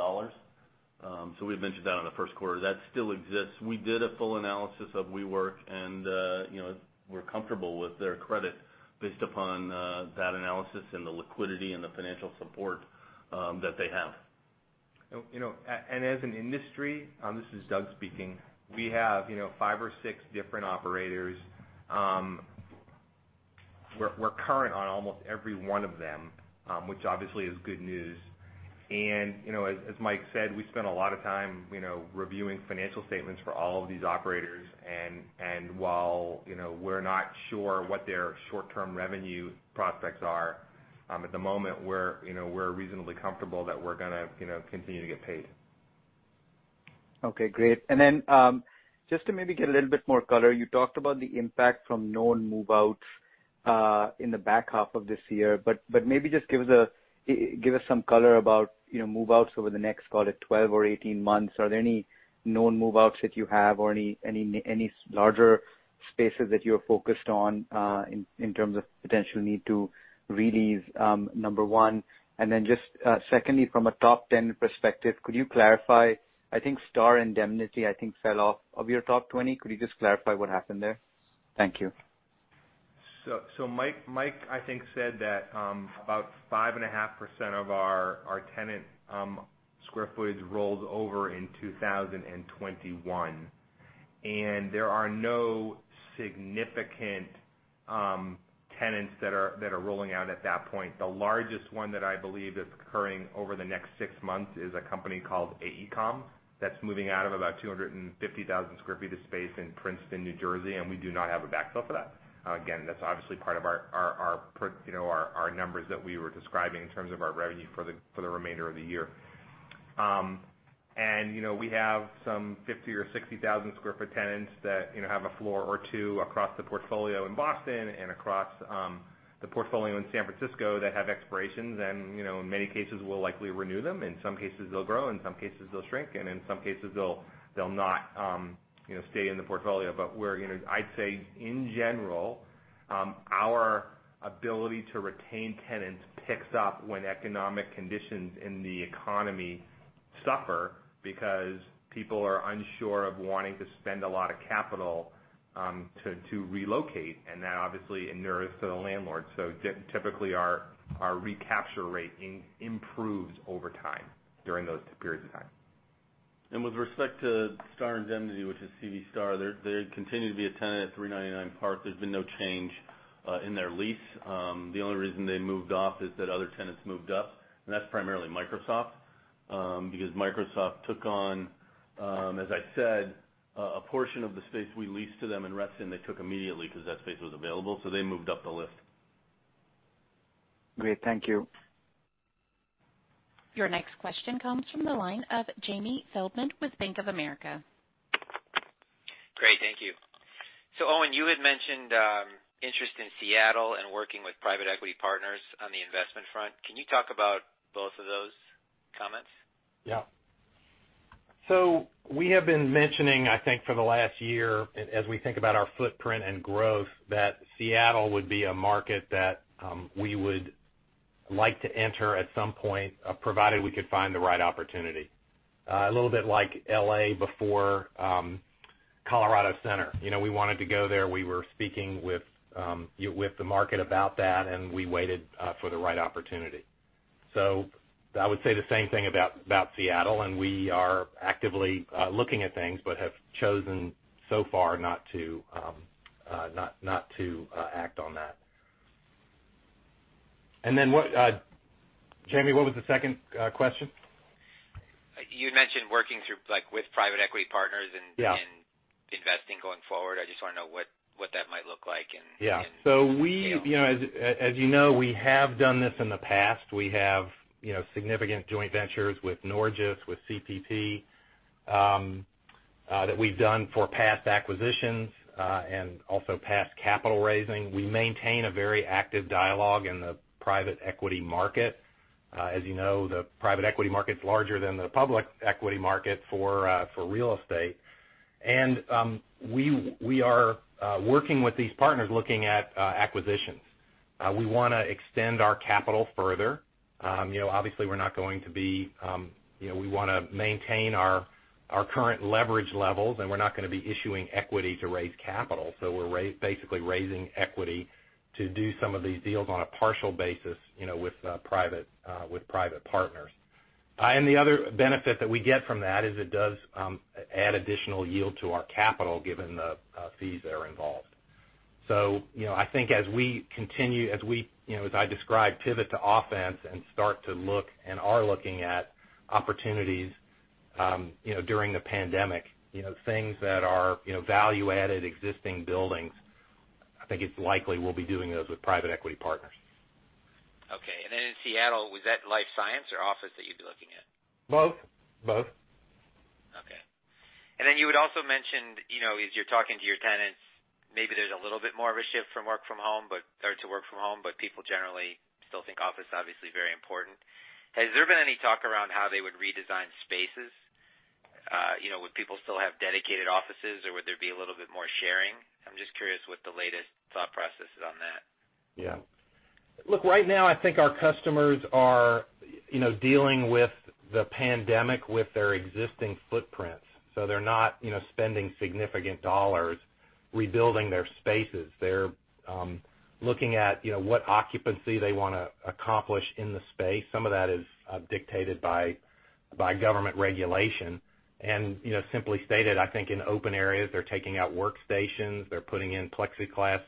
We've mentioned that on the first quarter. That still exists. We did a full analysis of WeWork, and we're comfortable with their credit based upon that analysis and the liquidity and the financial support that they have. As an industry, this is Doug speaking, we have five or six different operators. We're current on almost every one of them, which obviously is good news. As Mike said, we spent a lot of time reviewing financial statements for all of these operators. While we're not sure what their short-term revenue prospects are at the moment, we're reasonably comfortable that we're going to continue to get paid. Okay, great. Then, just to maybe get a little bit more color, you talked about the impact from known move-outs in the back half of this year, but maybe just give us some color about move-outs over the next, call it 12 or 18 months. Are there any known move-outs that you have or any larger spaces that you're focused on, in terms of potential need to re-lease number one. Then just secondly, from a top 10 perspective, could you clarify, I think Starr Indemnity, I think fell off of your top 20. Could you just clarify what happened there? Thank you. Mike, I think, said that about 5.5% of our tenant square footage rolls over in 2021. There are no significant tenants that are rolling out at that point. The largest one that I believe is occurring over the next six months is a company called AECOM, that's moving out of about 250,000 sq ft of space in Princeton, New Jersey, and we do not have a backfill for that. Again, that's obviously part of our numbers that we were describing in terms of our revenue for the remainder of the year. We have some 50,000 or 60,000 square foot tenants that have a floor or two across the portfolio in Boston and across the portfolio in San Francisco that have expirations. In many cases, we'll likely renew them. In some cases, they'll grow, in some cases they'll shrink, and in some cases they'll not stay in the portfolio. I'd say, in general, our ability to retain tenants picks up when economic conditions in the economy suffer because people are unsure of wanting to spend a lot of capital to relocate, and that obviously inures to the landlord. Typically, our recapture rate improves over time during those periods of time. With respect to Starr Indemnity, which is C.V. Starr, they continue to be a tenant at 399 Park. There's been no change in their lease. The only reason they moved off is that other tenants moved up, and that's primarily Microsoft. Microsoft took on, as I said, a portion of the space we leased to them in Reston, they took immediately because that space was available, so they moved up the list. Great. Thank you. Your next question comes from the line of Jamie Feldman with Bank of America. Great. Thank you. Owen, you had mentioned interest in Seattle and working with private equity partners on the investment front. Can you talk about both of those comments? Yeah. We have been mentioning, I think for the last year, as we think about our footprint and growth, that Seattle would be a market that we would like to enter at some point, provided we could find the right opportunity. A little bit like L.A. before Colorado Center. We wanted to go there. We were speaking with the market about that, and we waited for the right opportunity. I would say the same thing about Seattle, and we are actively looking at things, but have chosen so far not to act on that. Jamie, what was the second question? You mentioned working with private equity partners. Yeah. Investing going forward. I just want to know what that might look like. Yeah. Seattle. As you know, we have done this in the past. We have significant joint ventures with Norges, with CPP, that we've done for past acquisitions, and also past capital raising. We maintain a very active dialogue in the private equity market. As you know, the private equity market's larger than the public equity market for real estate. We are working with these partners looking at acquisitions. We want to extend our capital further. Obviously, we want to maintain our current leverage levels, and we're not going to be issuing equity to raise capital. We're basically raising equity to do some of these deals on a partial basis with private partners. The other benefit that we get from that is it does add additional yield to our capital, given the fees that are involved. I think as we continue, as I described, pivot to offense and start to look and are looking at opportunities during the pandemic, things that are value-added existing buildings, I think it's likely we'll be doing those with private equity partners. Okay. In Seattle, was that life science or office that you'd be looking at? Both. Okay. You had also mentioned, as you're talking to your tenants, maybe there's a little bit more of a shift to work from home, but people generally still think office, obviously, very important. Has there been any talk around how they would redesign spaces? Would people still have dedicated offices, or would there be a little bit more sharing? I'm just curious what the latest thought process is on that. Look, right now, I think our customers are dealing with the pandemic with their existing footprints. They're not spending significant dollar rebuilding their spaces. They're looking at what occupancy they want to accomplish in the space. Some of that is dictated by government regulation. Simply stated, I think in open areas, they're taking out workstations, they're putting in plexiglass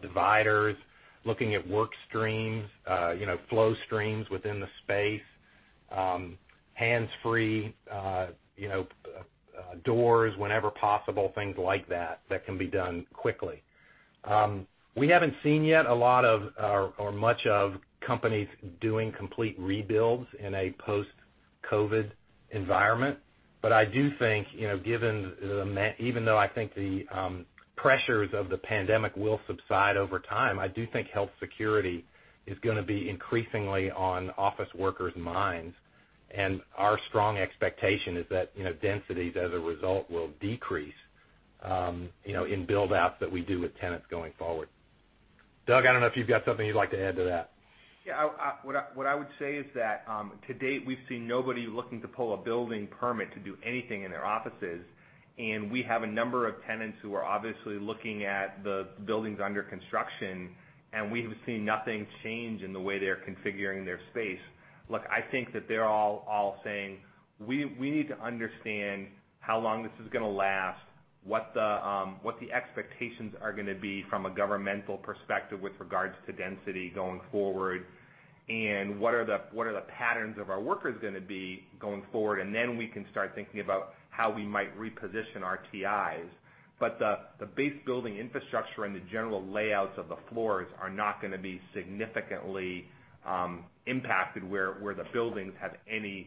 dividers, looking at work streams, flow streams within the space, hands-free doors whenever possible, things like that can be done quickly. We haven't seen yet a lot of, or much of companies doing complete rebuilds in a post-COVID environment. I do think, even though I think the pressures of the pandemic will subside over time, I do think health security is going to be increasingly on office workers' minds. Our strong expectation is that densities as a result will decrease in build-outs that we do with tenants going forward. Doug, I don't know if you've got something you'd like to add to that? What I would say is that to date, we've seen nobody looking to pull a building permit to do anything in their offices. We have a number of tenants who are obviously looking at the buildings under construction. We have seen nothing change in the way they're configuring their space. I think that they're all saying, "We need to understand how long this is going to last, what the expectations are going to be from a governmental perspective with regards to density going forward, and what are the patterns of our workers going to be going forward, and then we can start thinking about how we might reposition our TIs." The base building infrastructure and the general layouts of the floors are not going to be significantly impacted, where the buildings have any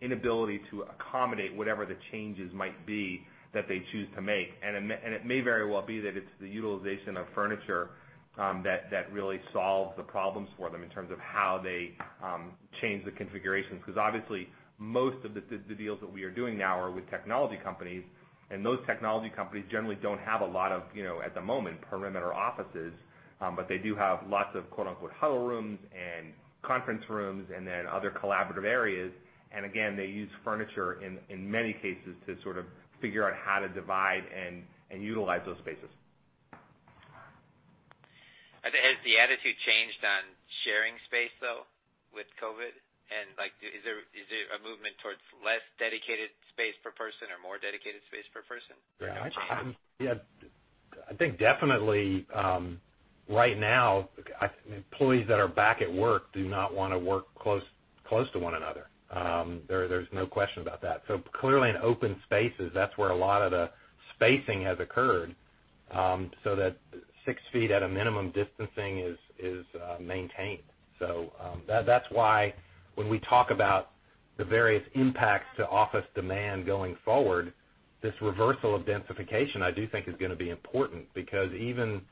inability to accommodate whatever the changes might be that they choose to make. It may very well be that it's the utilization of furniture that really solves the problems for them in terms of how they change the configurations. Obviously, most of the deals that we are doing now are with technology companies, and those technology companies generally don't have a lot of, at the moment, perimeter offices. They do have lots of "huddle rooms" and conference rooms and other collaborative areas. Again, they use furniture in many cases to sort of figure out how to divide and utilize those spaces. Has the attitude changed on sharing space, though, with COVID? Is there a movement towards less dedicated space per person or more dedicated space per person? Yeah. I think definitely, right now, employees that are back at work do not want to work close to one another. There's no question about that. Clearly, in open spaces, that's where a lot of the spacing has occurred, so that 6 ft at a minimum distancing is maintained. That's why when we talk about the various impacts to office demand going forward, this reversal of densification, I do think, is going to be important because even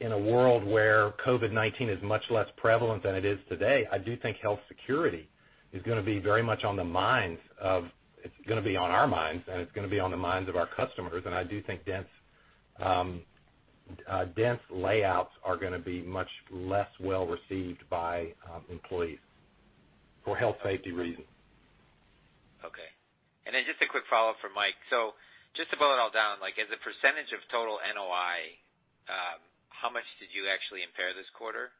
in a world where COVID-19 is much less prevalent than it is today, I do think health security is going to be very much on the minds of It's going to be on our minds, and it's going to be on the minds of our customers. I do think dense layouts are going to be much less well-received by employees for health safety reasons. Okay. Just a quick follow-up from Mike. Just to boil it all down, as a percentage of total NOI, how much did you actually impair this quarter?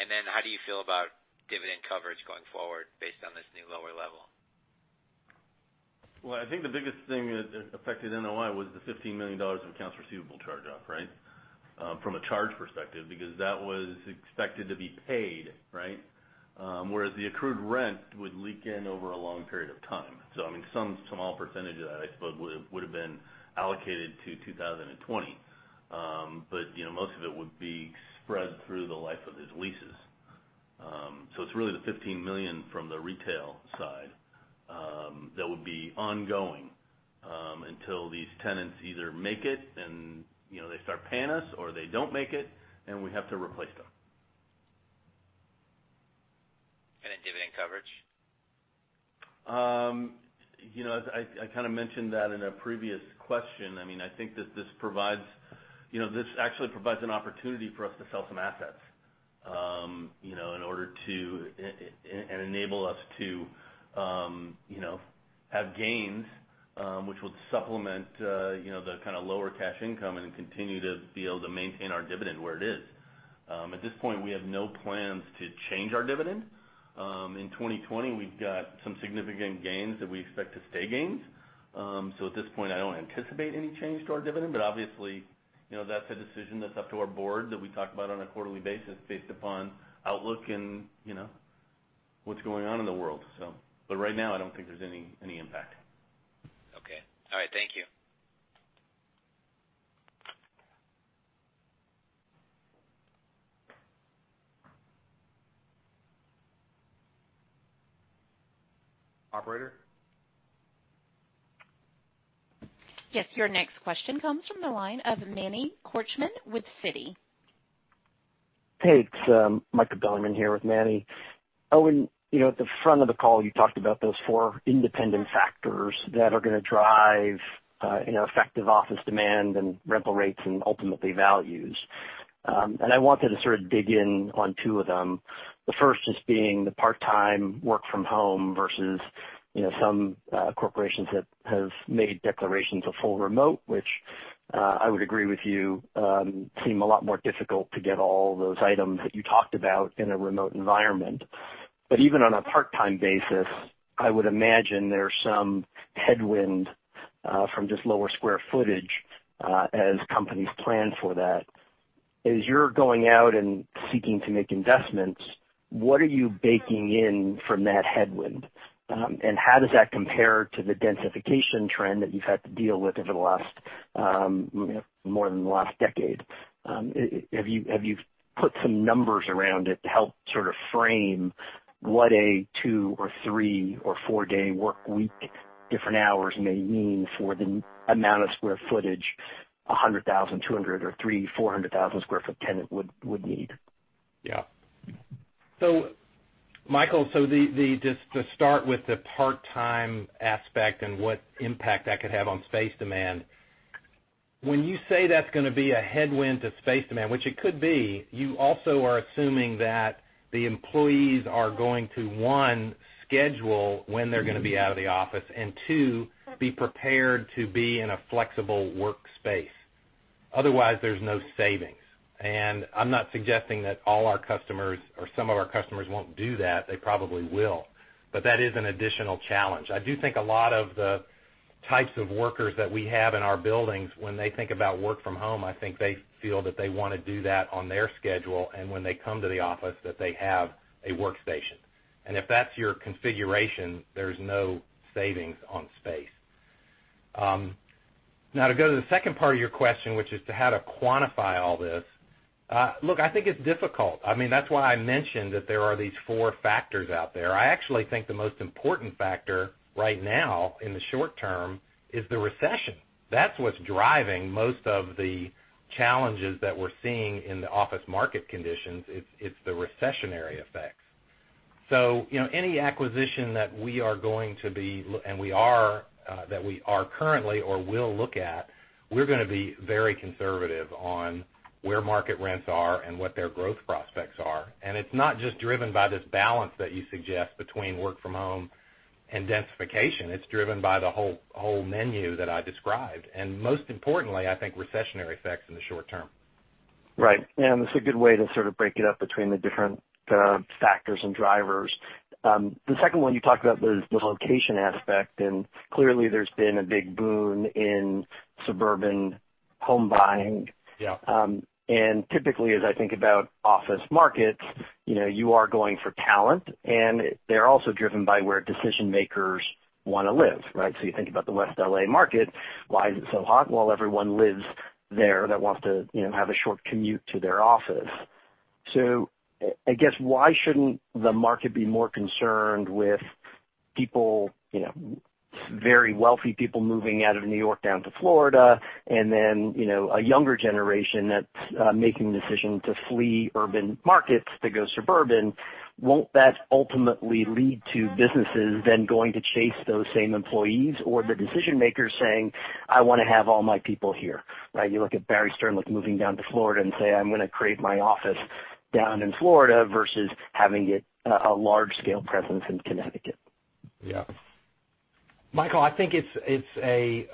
How do you feel about dividend coverage going forward based on this new lower level? Well, I think the biggest thing that affected NOI was the $15 million in accounts receivable charge-off, right? From a charge perspective, because that was expected to be paid, right? Whereas the accrued rent would leak in over a long period of time. I mean, some small percentage of that, I suppose, would've been allocated to 2020. Most of it would be spread through the life of these leases. It's really the $15 million from the retail side that would be ongoing until these tenants either make it, and they start paying us, or they don't make it, and we have to replace them. Dividend coverage? I kind of mentioned that in a previous question. I think that this actually provides an opportunity for us to sell some assets in order to enable us to have gains Which would supplement the kind of lower cash income and continue to be able to maintain our dividend where it is. At this point, we have no plans to change our dividend. In 2020, we've got some significant gains that we expect to stay gains. At this point, I don't anticipate any change to our dividend. Obviously, that's a decision that's up to our board, that we talk about on a quarterly basis based upon outlook and what's going on in the world. Right now, I don't think there's any impact. Okay. All right. Thank you. Operator? Yes. Your next question comes from the line of Manny Korchman with Citi. Hey, it's Michael Bilerman here with Manny. Owen, at the front of the call, you talked about those four independent factors that are going to drive effective office demand and rental rates and ultimately values. I wanted to sort of dig in on two of them. The first just being the part-time work from home versus some corporations that have made declarations of full remote, which, I would agree with you, seem a lot more difficult to get all those items that you talked about in a remote environment. Even on a part-time basis, I would imagine there's some headwind from just lower square footage as companies plan for that. As you're going out and seeking to make investments, what are you baking in from that headwind? How does that compare to the densification trend that you've had to deal with more than the last decade? Have you put some numbers around it to help sort of frame what a two- or three- or four-day work week, different hours may mean for the amount of square footage, 100,000, 200,000 or 300,000, 400,000 sq ft tenant would need? Michael, just to start with the part-time aspect and what impact that could have on space demand. When you say that's going to be a headwind to space demand, which it could be, you also are assuming that the employees are going to, one, schedule when they're going to be out of the office, and two, be prepared to be in a flexible workspace. Otherwise, there's no savings. I'm not suggesting that all our customers or some of our customers won't do that. They probably will. That is an additional challenge. I do think a lot of the types of workers that we have in our buildings, when they think about work from home, I think they feel that they want to do that on their schedule, and when they come to the office, that they have a workstation. If that's your configuration, there's no savings on space. To go to the second part of your question, which is to how to quantify all this. Look, I think it's difficult. That's why I mentioned that there are these four factors out there. I actually think the most important factor right now in the short term is the recession. That's what's driving most of the challenges that we're seeing in the office market conditions. It's the recessionary effects. Any acquisition that we are going to be, and that we are currently or will look at, we're going to be very conservative on where market rents are and what their growth prospects are. It's not just driven by this balance that you suggest between work from home and densification. It's driven by the whole menu that I described, and most importantly, I think recessionary effects in the short term. Right. It's a good way to sort of break it up between the different factors and drivers. The second one you talked about was the location aspect. Clearly there's been a big boom in suburban home buying. Yeah. Typically, as I think about office markets, you are going for talent, and they're also driven by where decision-makers want to live. Right? You think about the West L.A. market. Why is it so hot? Well, everyone lives there that wants to have a short commute to their office. I guess why shouldn't the market be more concerned with very wealthy people moving out of New York down to Florida and then, a younger generation that's making the decision to flee urban markets to go suburban. Won't that ultimately lead to businesses then going to chase those same employees or the decision makers saying, "I want to have all my people here." Right? You look at Barry Sternlicht moving down to Florida and say, "I'm going to create my office down in Florida," versus having a large-scale presence in Connecticut. Michael, I think it's a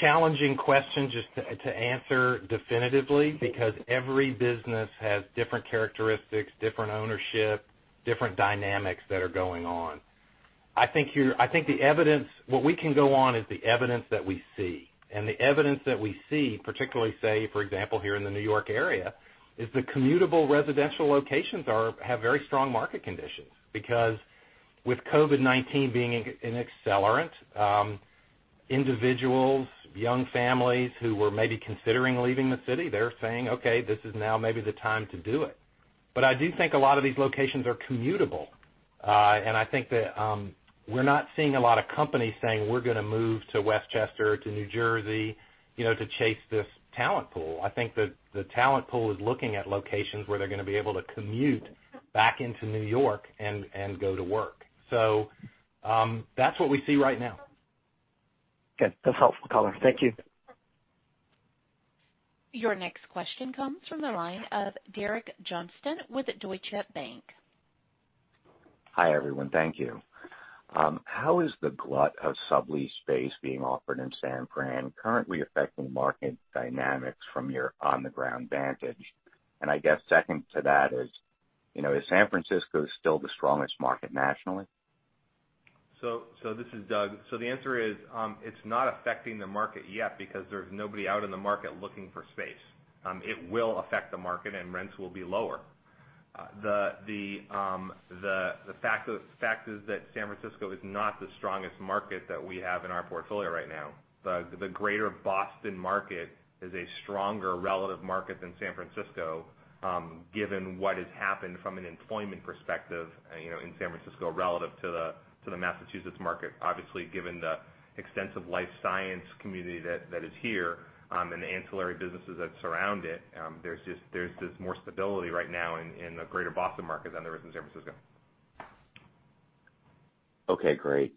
challenging question just to answer definitively because every business has different characteristics, different ownership, different dynamics that are going on. I think what we can go on is the evidence that we see. The evidence that we see, particularly, say, for example, here in the New York area, is the commutable residential locations have very strong market conditions. With COVID-19 being an accelerant, individuals, young families who were maybe considering leaving the city, they're saying, "Okay, this is now maybe the time to do it." I do think a lot of these locations are commutable. I think that we're not seeing a lot of companies saying, "We're going to move to Westchester, to New Jersey to chase this talent pool." I think that the talent pool is looking at locations where they're going to be able to commute back into New York and go to work. That's what we see right now. Okay. That's helpful color. Thank you. Your next question comes from the line of Derek Johnston with Deutsche Bank. Hi, everyone. Thank you. How is the glut of sublease space being offered in San Fran currently affecting market dynamics from your on-the-ground vantage? I guess second to that is San Francisco still the strongest market nationally? This is Doug. The answer is, it's not affecting the market yet because there's nobody out in the market looking for space. It will affect the market, and rents will be lower. The fact is that San Francisco is not the strongest market that we have in our portfolio right now. The greater Boston market is a stronger relative market than San Francisco, given what has happened from an employment perspective in San Francisco relative to the Massachusetts market. Given the extensive life science community that is here, and the ancillary businesses that surround it, there's just more stability right now in the greater Boston market than there is in San Francisco. Okay, great.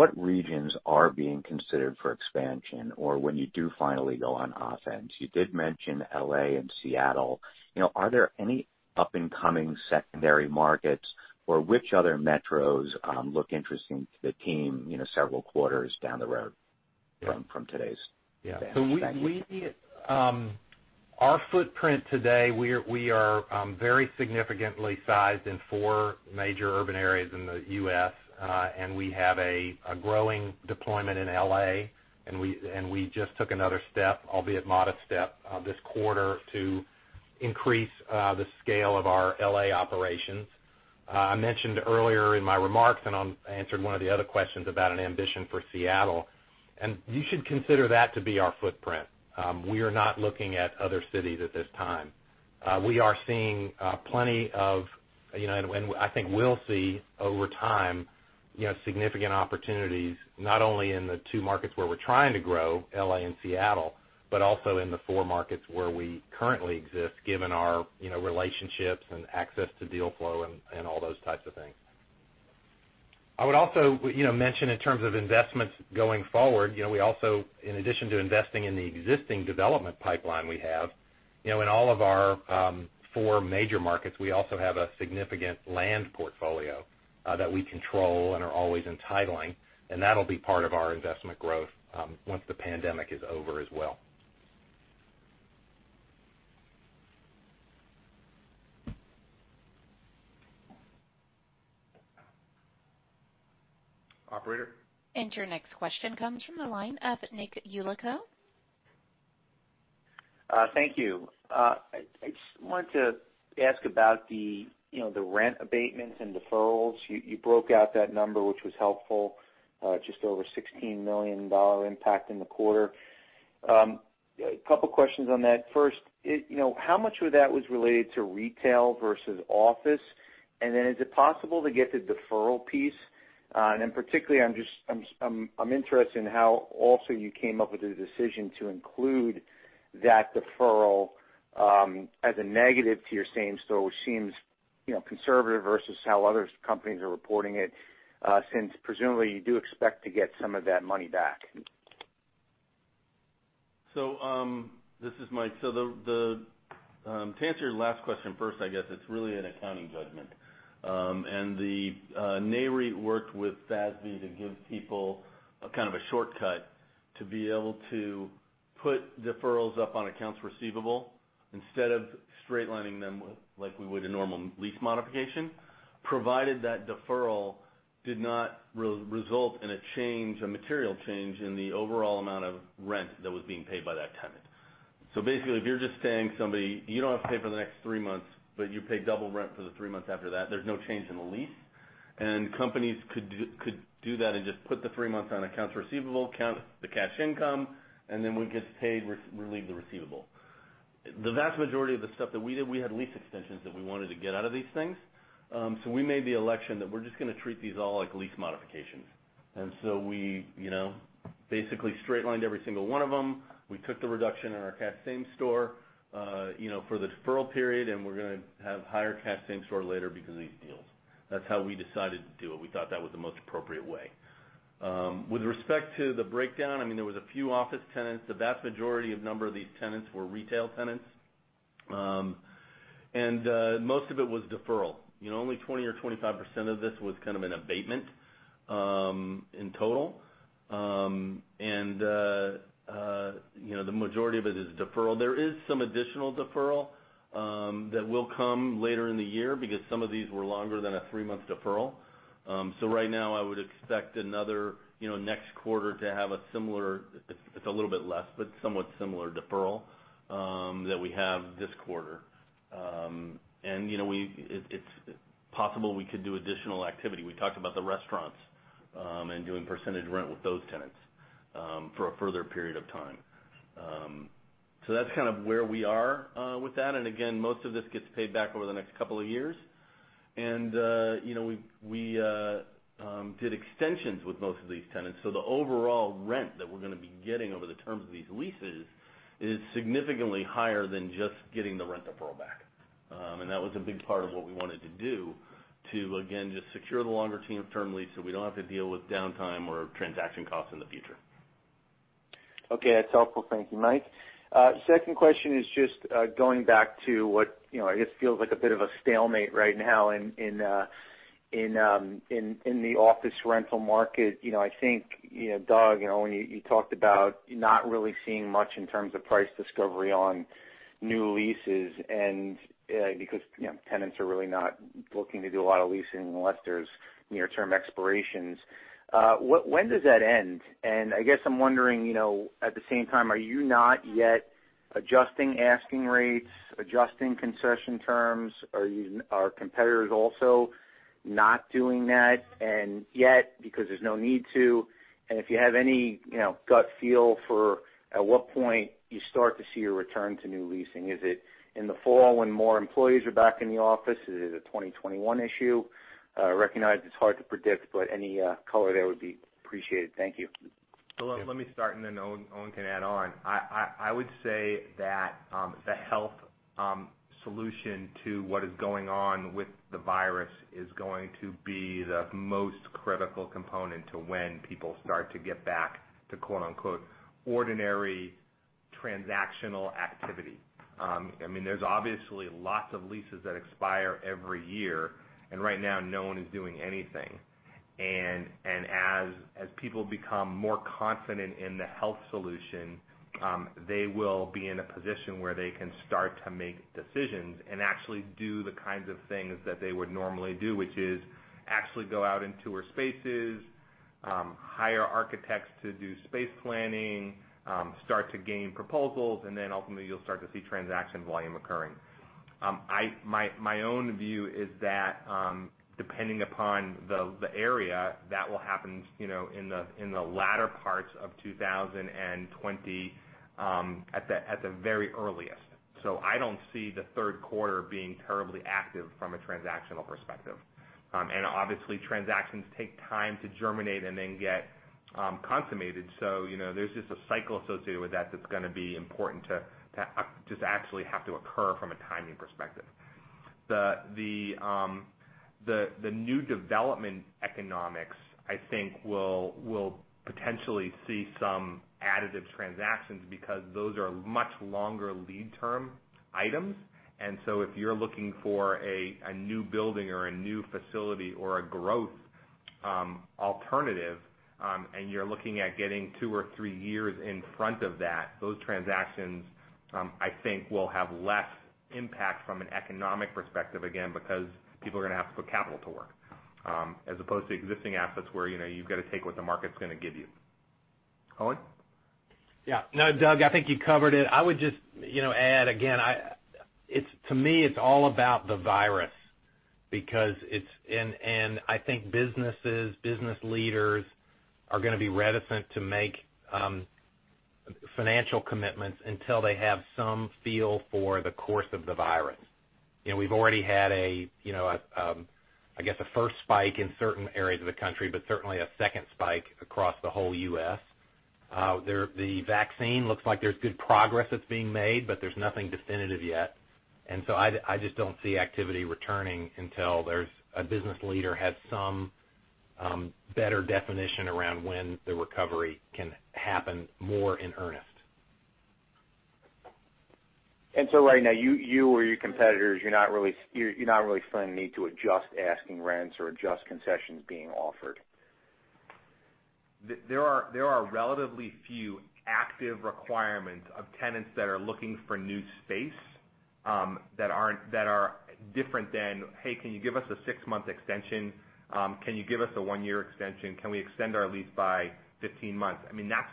What regions are being considered for expansion, or when you do finally go on offense? You did mention L.A. and Seattle. Are there any up-and-coming secondary markets, or which other metros look interesting to the team several quarters down the road from today's vantage? Thank you. Our footprint today, we are very significantly sized in four major urban areas in the U.S. We have a growing deployment in L.A., and we just took another step, albeit modest step, this quarter to increase the scale of our L.A. operations. I mentioned earlier in my remarks, I answered one of the other questions about an ambition for Seattle, and you should consider that to be our footprint. We are not looking at other cities at this time. We are seeing plenty of, and I think we'll see over time, significant opportunities, not only in the two markets where we're trying to grow, L.A. and Seattle, but also in the four markets where we currently exist, given our relationships and access to deal flow and all those types of things. I would also mention in terms of investments going forward, we also, in addition to investing in the existing development pipeline we have, in all of our four major markets, we also have a significant land portfolio, that we control and are always entitling, and that'll be part of our investment growth, once the pandemic is over as well. Operator? Your next question comes from the line of Nick Yulico. Thank you. I just wanted to ask about the rent abatements and deferrals. You broke out that number, which was helpful, just over a $16 million impact in the quarter. A couple questions on that. First, how much of that was related to retail versus office? Is it possible to get the deferral piece? Particularly, I'm interested in how also you came up with the decision to include that deferral, as a negative to your same store, which seems conservative versus how other companies are reporting it, since presumably you do expect to get some of that money back. This is Mike. To answer your last question first, I guess it's really an accounting judgment. The NAREIT worked with FASB to give people a kind of a shortcut to be able to put deferrals up on accounts receivable instead of straight-lining them like we would a normal lease modification, provided that deferral did not result in a material change in the overall amount of rent that was being paid by that tenant. Basically, if you're just saying to somebody, "You don't have to pay for the next three months, but you pay double rent for the three months after that," there's no change in the lease. Companies could do that and just put the three months on accounts receivable, count the cash income, and then when it gets paid, relieve the receivable. The vast majority of the stuff that we did, we had lease extensions that we wanted to get out of these things. We made the election that we're just going to treat these all like lease modifications. We basically straight-lined every single one of them. We took the reduction in our cash same store, for the deferral period, and we're going to have higher cash same store later because of these deals. That's how we decided to do it. We thought that was the most appropriate way. With respect to the breakdown, there was a few office tenants. The vast majority of number of these tenants were retail tenants. Most of it was deferral. Only 20% or 25% of this was kind of an abatement, in total. The majority of it is deferral. There is some additional deferral, that will come later in the year because some of these were longer than a three-month deferral. Right now, I would expect another next quarter to have a similar, it's a little bit less, but somewhat similar deferral that we have this quarter. It's possible we could do additional activity. We talked about the restaurants, and doing percentage rent with those tenants for a further period of time. That's kind of where we are with that. Again, most of this gets paid back over the next couple of years. We did extensions with most of these tenants, so the overall rent that we're going to be getting over the terms of these leases is significantly higher than just getting the rent deferral back. That was a big part of what we wanted to do to, again, just secure the longer-term lease so we don't have to deal with downtime or transaction costs in the future. Okay. That's helpful. Thank you, Mike. Second question is just going back to what, I guess feels like a bit of a stalemate right now in the office rental market. I think, Doug, when you talked about not really seeing much in terms of price discovery on new leases and because tenants are really not looking to do a lot of leasing unless there's near-term expirations. When does that end? I guess I'm wondering, at the same time, are you not yet adjusting asking rates, adjusting concession terms? Are competitors also not doing that and yet because there's no need to, and if you have any gut feel for at what point you start to see a return to new leasing? Is it in the fall when more employees are back in the office? Is it a 2021 issue? Recognize it's hard to predict, but any color there would be appreciated. Thank you. Let me start, then Owen can add on. I would say that the health solution to what is going on with the virus is going to be the most critical component to when people start to get back to "ordinary transactional activity." There's obviously lots of leases that expire every year, and right now, no one is doing anything. As people become more confident in the health solution, they will be in a position where they can start to make decisions and actually do the kinds of things that they would normally do, which is actually go out and tour spaces, hire architects to do space planning, start to gain proposals, then ultimately, you'll start to see transaction volume occurring. My own view is that, depending upon the area, that will happen in the latter parts of 2020 at the very earliest. I don't see the third quarter being terribly active from a transactional perspective. Obviously, transactions take time to germinate and then get consummated. There's just a cycle associated with that that's going to be important to just actually have to occur from a timing perspective. The new development economics, I think, will potentially see some additive transactions because those are much longer lead-term items. If you're looking for a new building or a new facility or a growth alternative, and you're looking at getting two or three years in front of that, those transactions, I think will have less impact from an economic perspective, again, because people are going to have to put capital to work, as opposed to existing assets where you've got to take what the market's going to give you. Owen? No, Doug, I think you covered it. I would just add again, to me, it's all about the virus. I think business leaders are going to be reticent to make financial commitments until they have some feel for the course of the virus. We've already had, I guess, a first spike in certain areas of the country, but certainly a second spike across the whole U.S. The vaccine looks like there's good progress that's being made, but there's nothing definitive yet. I just don't see activity returning until there's a business leader has some better definition around when the recovery can happen more in earnest. Right now, you or your competitors, you're not really feeling the need to adjust asking rents or adjust concessions being offered. There are relatively few active requirements of tenants that are looking for new space, that are different than, "Hey, can you give us a six-month extension? Can you give us a one-year extension? Can we extend our lease by 15 months?"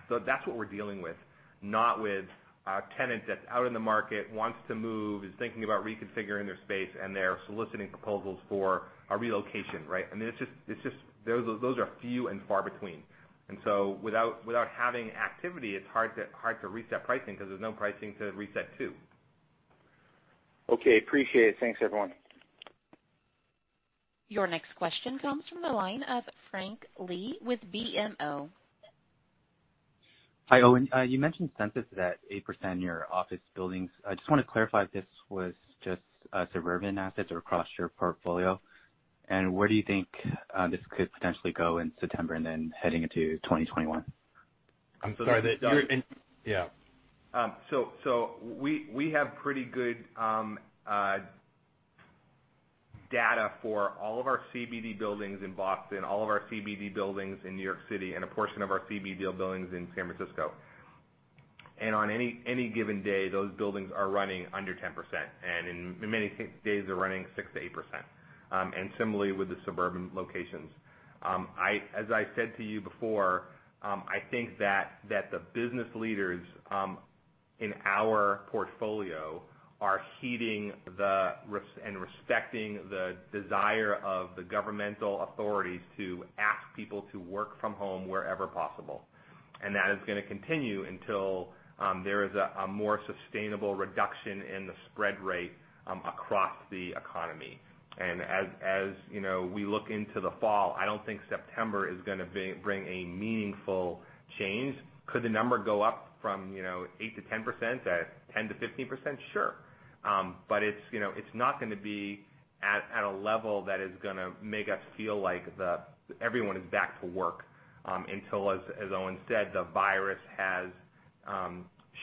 That's what we're dealing with, not with a tenant that's out in the market, wants to move, is thinking about reconfiguring their space, and they're soliciting proposals for a relocation, right? Those are few and far between. Without having activity, it's hard to reset pricing because there's no pricing to reset to. Okay. Appreciate it. Thanks, everyone. Your next question comes from the line of Frank Liu with BMO. Hi, Owen. You mentioned census that 8% in your office buildings. I just want to clarify if this was just suburban assets or across your portfolio. Where do you think this could potentially go in September and then heading into 2021? I'm sorry. We have pretty good data for all of our CBD buildings in Boston, all of our CBD buildings in New York City, and a portion of our CBD buildings in San Francisco. On any given day, those buildings are running under 10%, and in many days, they're running 6%-8%. Similarly with the suburban locations. As I said to you before, I think that the business leaders in our portfolio are heeding and respecting the desire of the governmental authorities to ask people to work from home wherever possible. That is going to continue until there is a more sustainable reduction in the spread rate across the economy. As we look into the fall, I don't think September is going to bring a meaningful change. Could the number go up from 8% to 10% to 15%? Sure. It's not going to be at a level that is going to make us feel like everyone is back to work, until, as Owen said, the virus has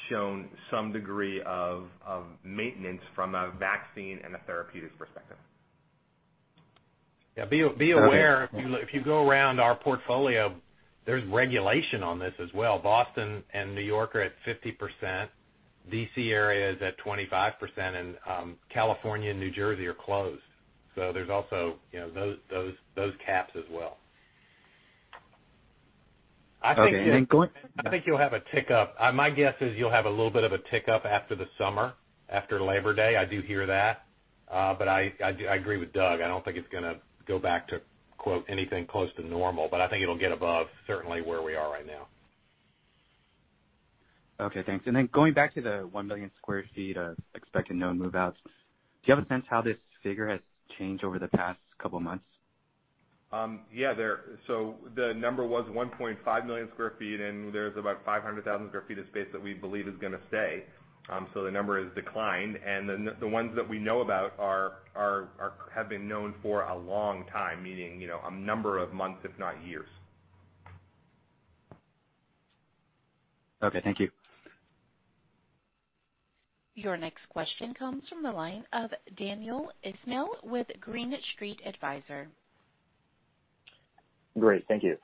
shown some degree of maintenance from a vaccine and a therapeutic perspective. Yeah. Be aware, if you go around our portfolio, there's regulation on this as well. Boston and New York are at 50%, D.C. area is at 25%, and California and New Jersey are closed. There's also those caps as well. Okay. I think you'll have a tick up. My guess is you'll have a little bit of a tick up after the summer, after Labor Day. I do hear that. I agree with Doug. I don't think it's going to go back to, quote, "Anything close to normal," but I think it'll get above certainly where we are right now. Okay, thanks. Going back to the 1 million square feet of expected no move-outs, do you have a sense how this figure has changed over the past couple of months? Yeah. The number was 1.5 million square feet. There's about 500,000 sq ft of space that we believe is going to stay. The number has declined, and the ones that we know about have been known for a long time, meaning, a number of months, if not years. Okay, thank you. Your next question comes from the line of Daniel Ismail with Green Street Advisors. Great. Thank you.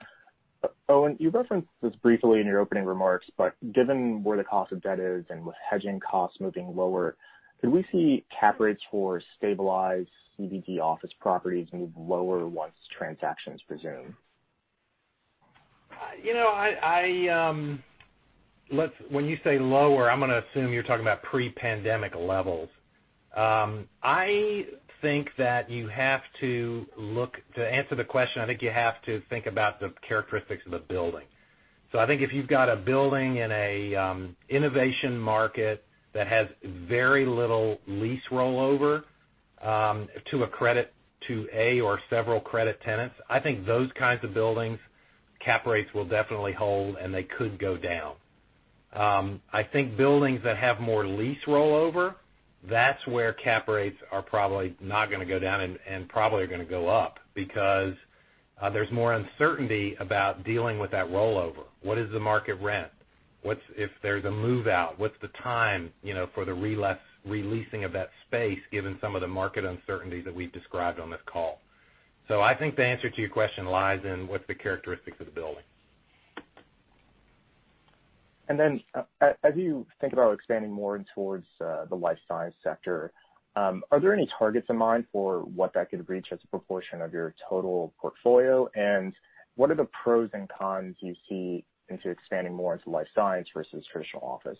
Owen, you referenced this briefly in your opening remarks, but given where the cost of debt is and with hedging costs moving lower, could we see cap rates for stabilized CBD office properties move lower once transactions resume? When you say lower, I'm going to assume you're talking about pre-pandemic levels. To answer the question, I think you have to think about the characteristics of the building. I think if you've got a building in a innovation market that has very little lease rollover to a or several credit tenants, I think those kinds of buildings, cap rates will definitely hold, and they could go down. I think buildings that have more lease rollover, that's where cap rates are probably not going to go down and probably are going to go up, because there's more uncertainty about dealing with that rollover. What is the market rent? If there's a move-out, what's the time for the re-leasing of that space, given some of the market uncertainty that we've described on this call? I think the answer to your question lies in what's the characteristics of the building. As you think about expanding more towards the life science sector, are there any targets in mind for what that could reach as a proportion of your total portfolio? What are the pros and cons you see into expanding more into life science versus traditional office?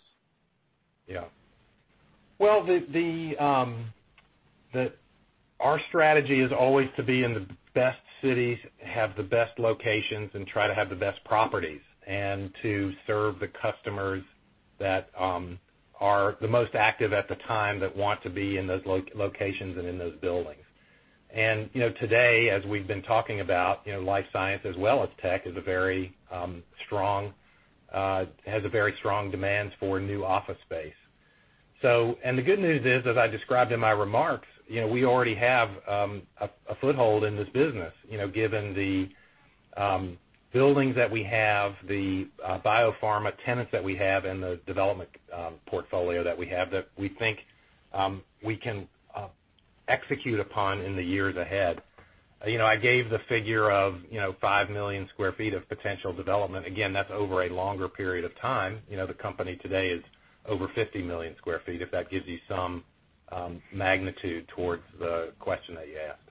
Our strategy is always to be in the best cities, have the best locations, and try to have the best properties, and to serve the customers that are the most active at the time that want to be in those locations and in those buildings. Today, as we've been talking about, life science as well as tech, has a very strong demand for new office space. The good news is, as I described in my remarks, we already have a foothold in this business given the buildings that we have, the biopharma tenants that we have, and the development portfolio that we have, that we think we can execute upon in the years ahead. I gave the figure of 5 million square feet of potential development. Again, that's over a longer period of time. The company today is over 50 million square feet, if that gives you some magnitude towards the question that you asked.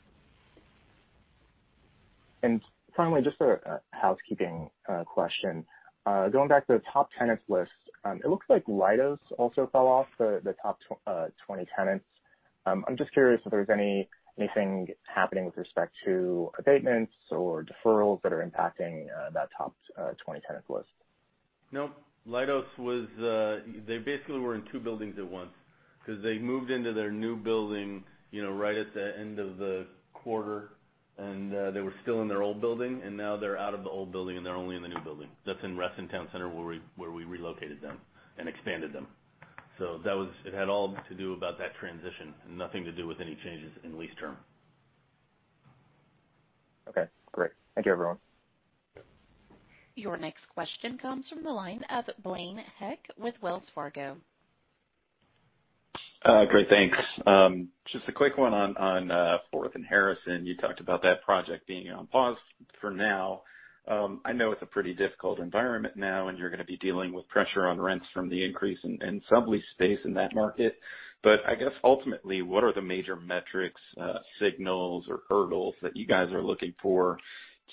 Finally, just a housekeeping question. Going back to the top tenants list, it looks like Leidos also fell off the top 20 tenants. I am just curious if there is anything happening with respect to abatements or deferrals that are impacting that top 20 tenants list. Nope. Leidos, they basically were in two buildings at once, because they moved into their new building right at the end of the quarter, and they were still in their old building, and now they're out of the old building, and they're only in the new building. That's in Reston Town Center, where we relocated them and expanded them. It had all to do about that transition and nothing to do with any changes in lease term. Okay, great. Thank you, everyone. Your next question comes from the line of Blaine Heck with Wells Fargo. Great. Thanks. Just a quick one on Fourth and Harrison. You talked about that project being on pause for now. I know it's a pretty difficult environment now, and you're going to be dealing with pressure on rents from the increase in sublease space in that market. I guess ultimately, what are the major metrics, signals, or hurdles that you guys are looking for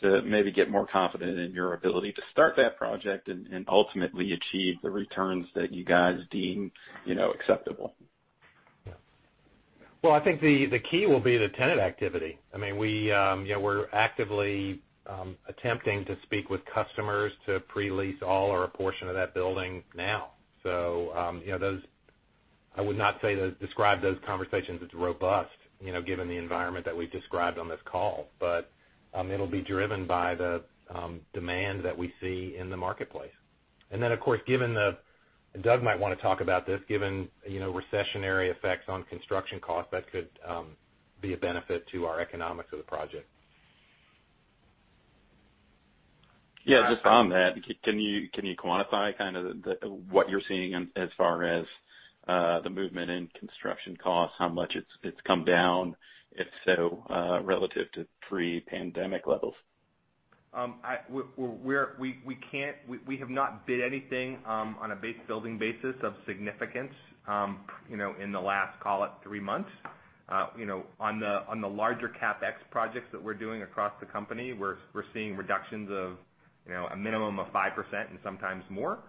to maybe get more confident in your ability to start that project and ultimately achieve the returns that you guys deem acceptable? Well, I think the key will be the tenant activity. We're actively attempting to speak with customers to pre-lease all or a portion of that building now. I would not describe those conversations as robust, given the environment that we've described on this call. It'll be driven by the demand that we see in the marketplace. Of course, and Doug might want to talk about this, given recessionary effects on construction costs, that could be a benefit to our economics of the project. Yeah, just on that, can you quantify what you're seeing as far as the movement in construction costs, how much it's come down, if so, relative to pre-pandemic levels? We have not bid anything on a building basis of significance in the last, call it, three months. On the larger CapEx projects that we're doing across the company, we're seeing reductions of a minimum of 5% and sometimes more.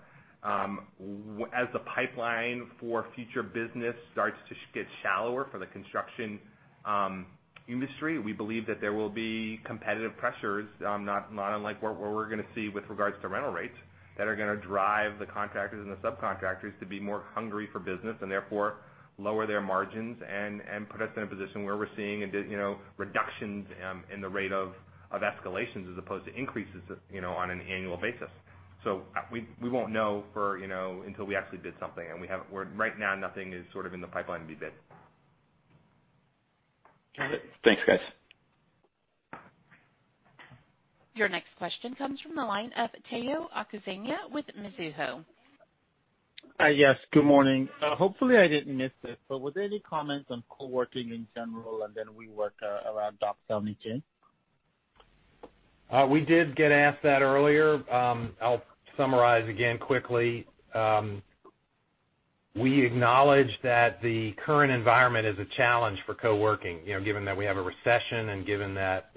The pipeline for future business starts to get shallower for the construction industry, we believe that there will be competitive pressures, not unlike what we're going to see with regards to rental rates, that are going to drive the contractors and the subcontractors to be more hungry for business, and therefore lower their margins and put us in a position where we're seeing reductions in the rate of escalations as opposed to increases on an annual basis. We won't know until we actually bid something, and right now nothing is sort of in the pipeline to be bid. Okay. Thanks, guys. Your next question comes from the line of Tayo Okusanya with Mizuho. Yes, good morning. Hopefully, I didn't miss it, but were there any comments on co-working in general and then WeWork around Dock 72? We did get asked that earlier. I'll summarize again quickly. We acknowledge that the current environment is a challenge for co-working, given that we have a recession and given that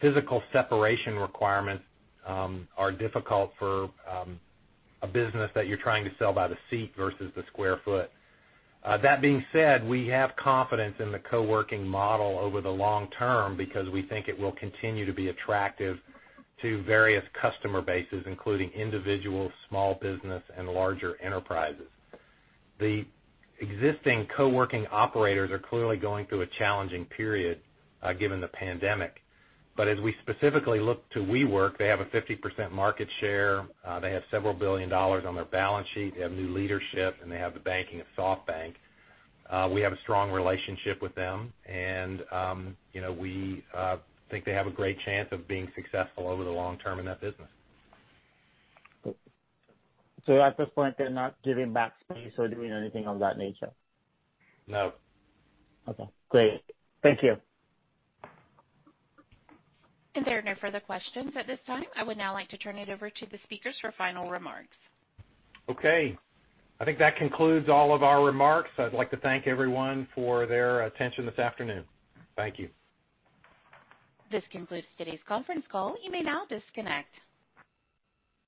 physical separation requirements are difficult for a business that you're trying to sell by the seat versus the square foot. That being said, we have confidence in the co-working model over the long term because we think it will continue to be attractive to various customer bases, including individuals, small business, and larger enterprises. The existing co-working operators are clearly going through a challenging period given the pandemic. As we specifically look to WeWork, they have a 50% market share, they have several billion dollars on their balance sheet, they have new leadership, and they have the banking of SoftBank. We have a strong relationship with them, and we think they have a great chance of being successful over the long term in that business. At this point, they're not giving back space or doing anything of that nature? No. Okay, great. Thank you. There are no further questions at this time. I would now like to turn it over to the speakers for final remarks. Okay. I think that concludes all of our remarks. I'd like to thank everyone for their attention this afternoon. Thank you. This concludes today's conference call. You may now disconnect.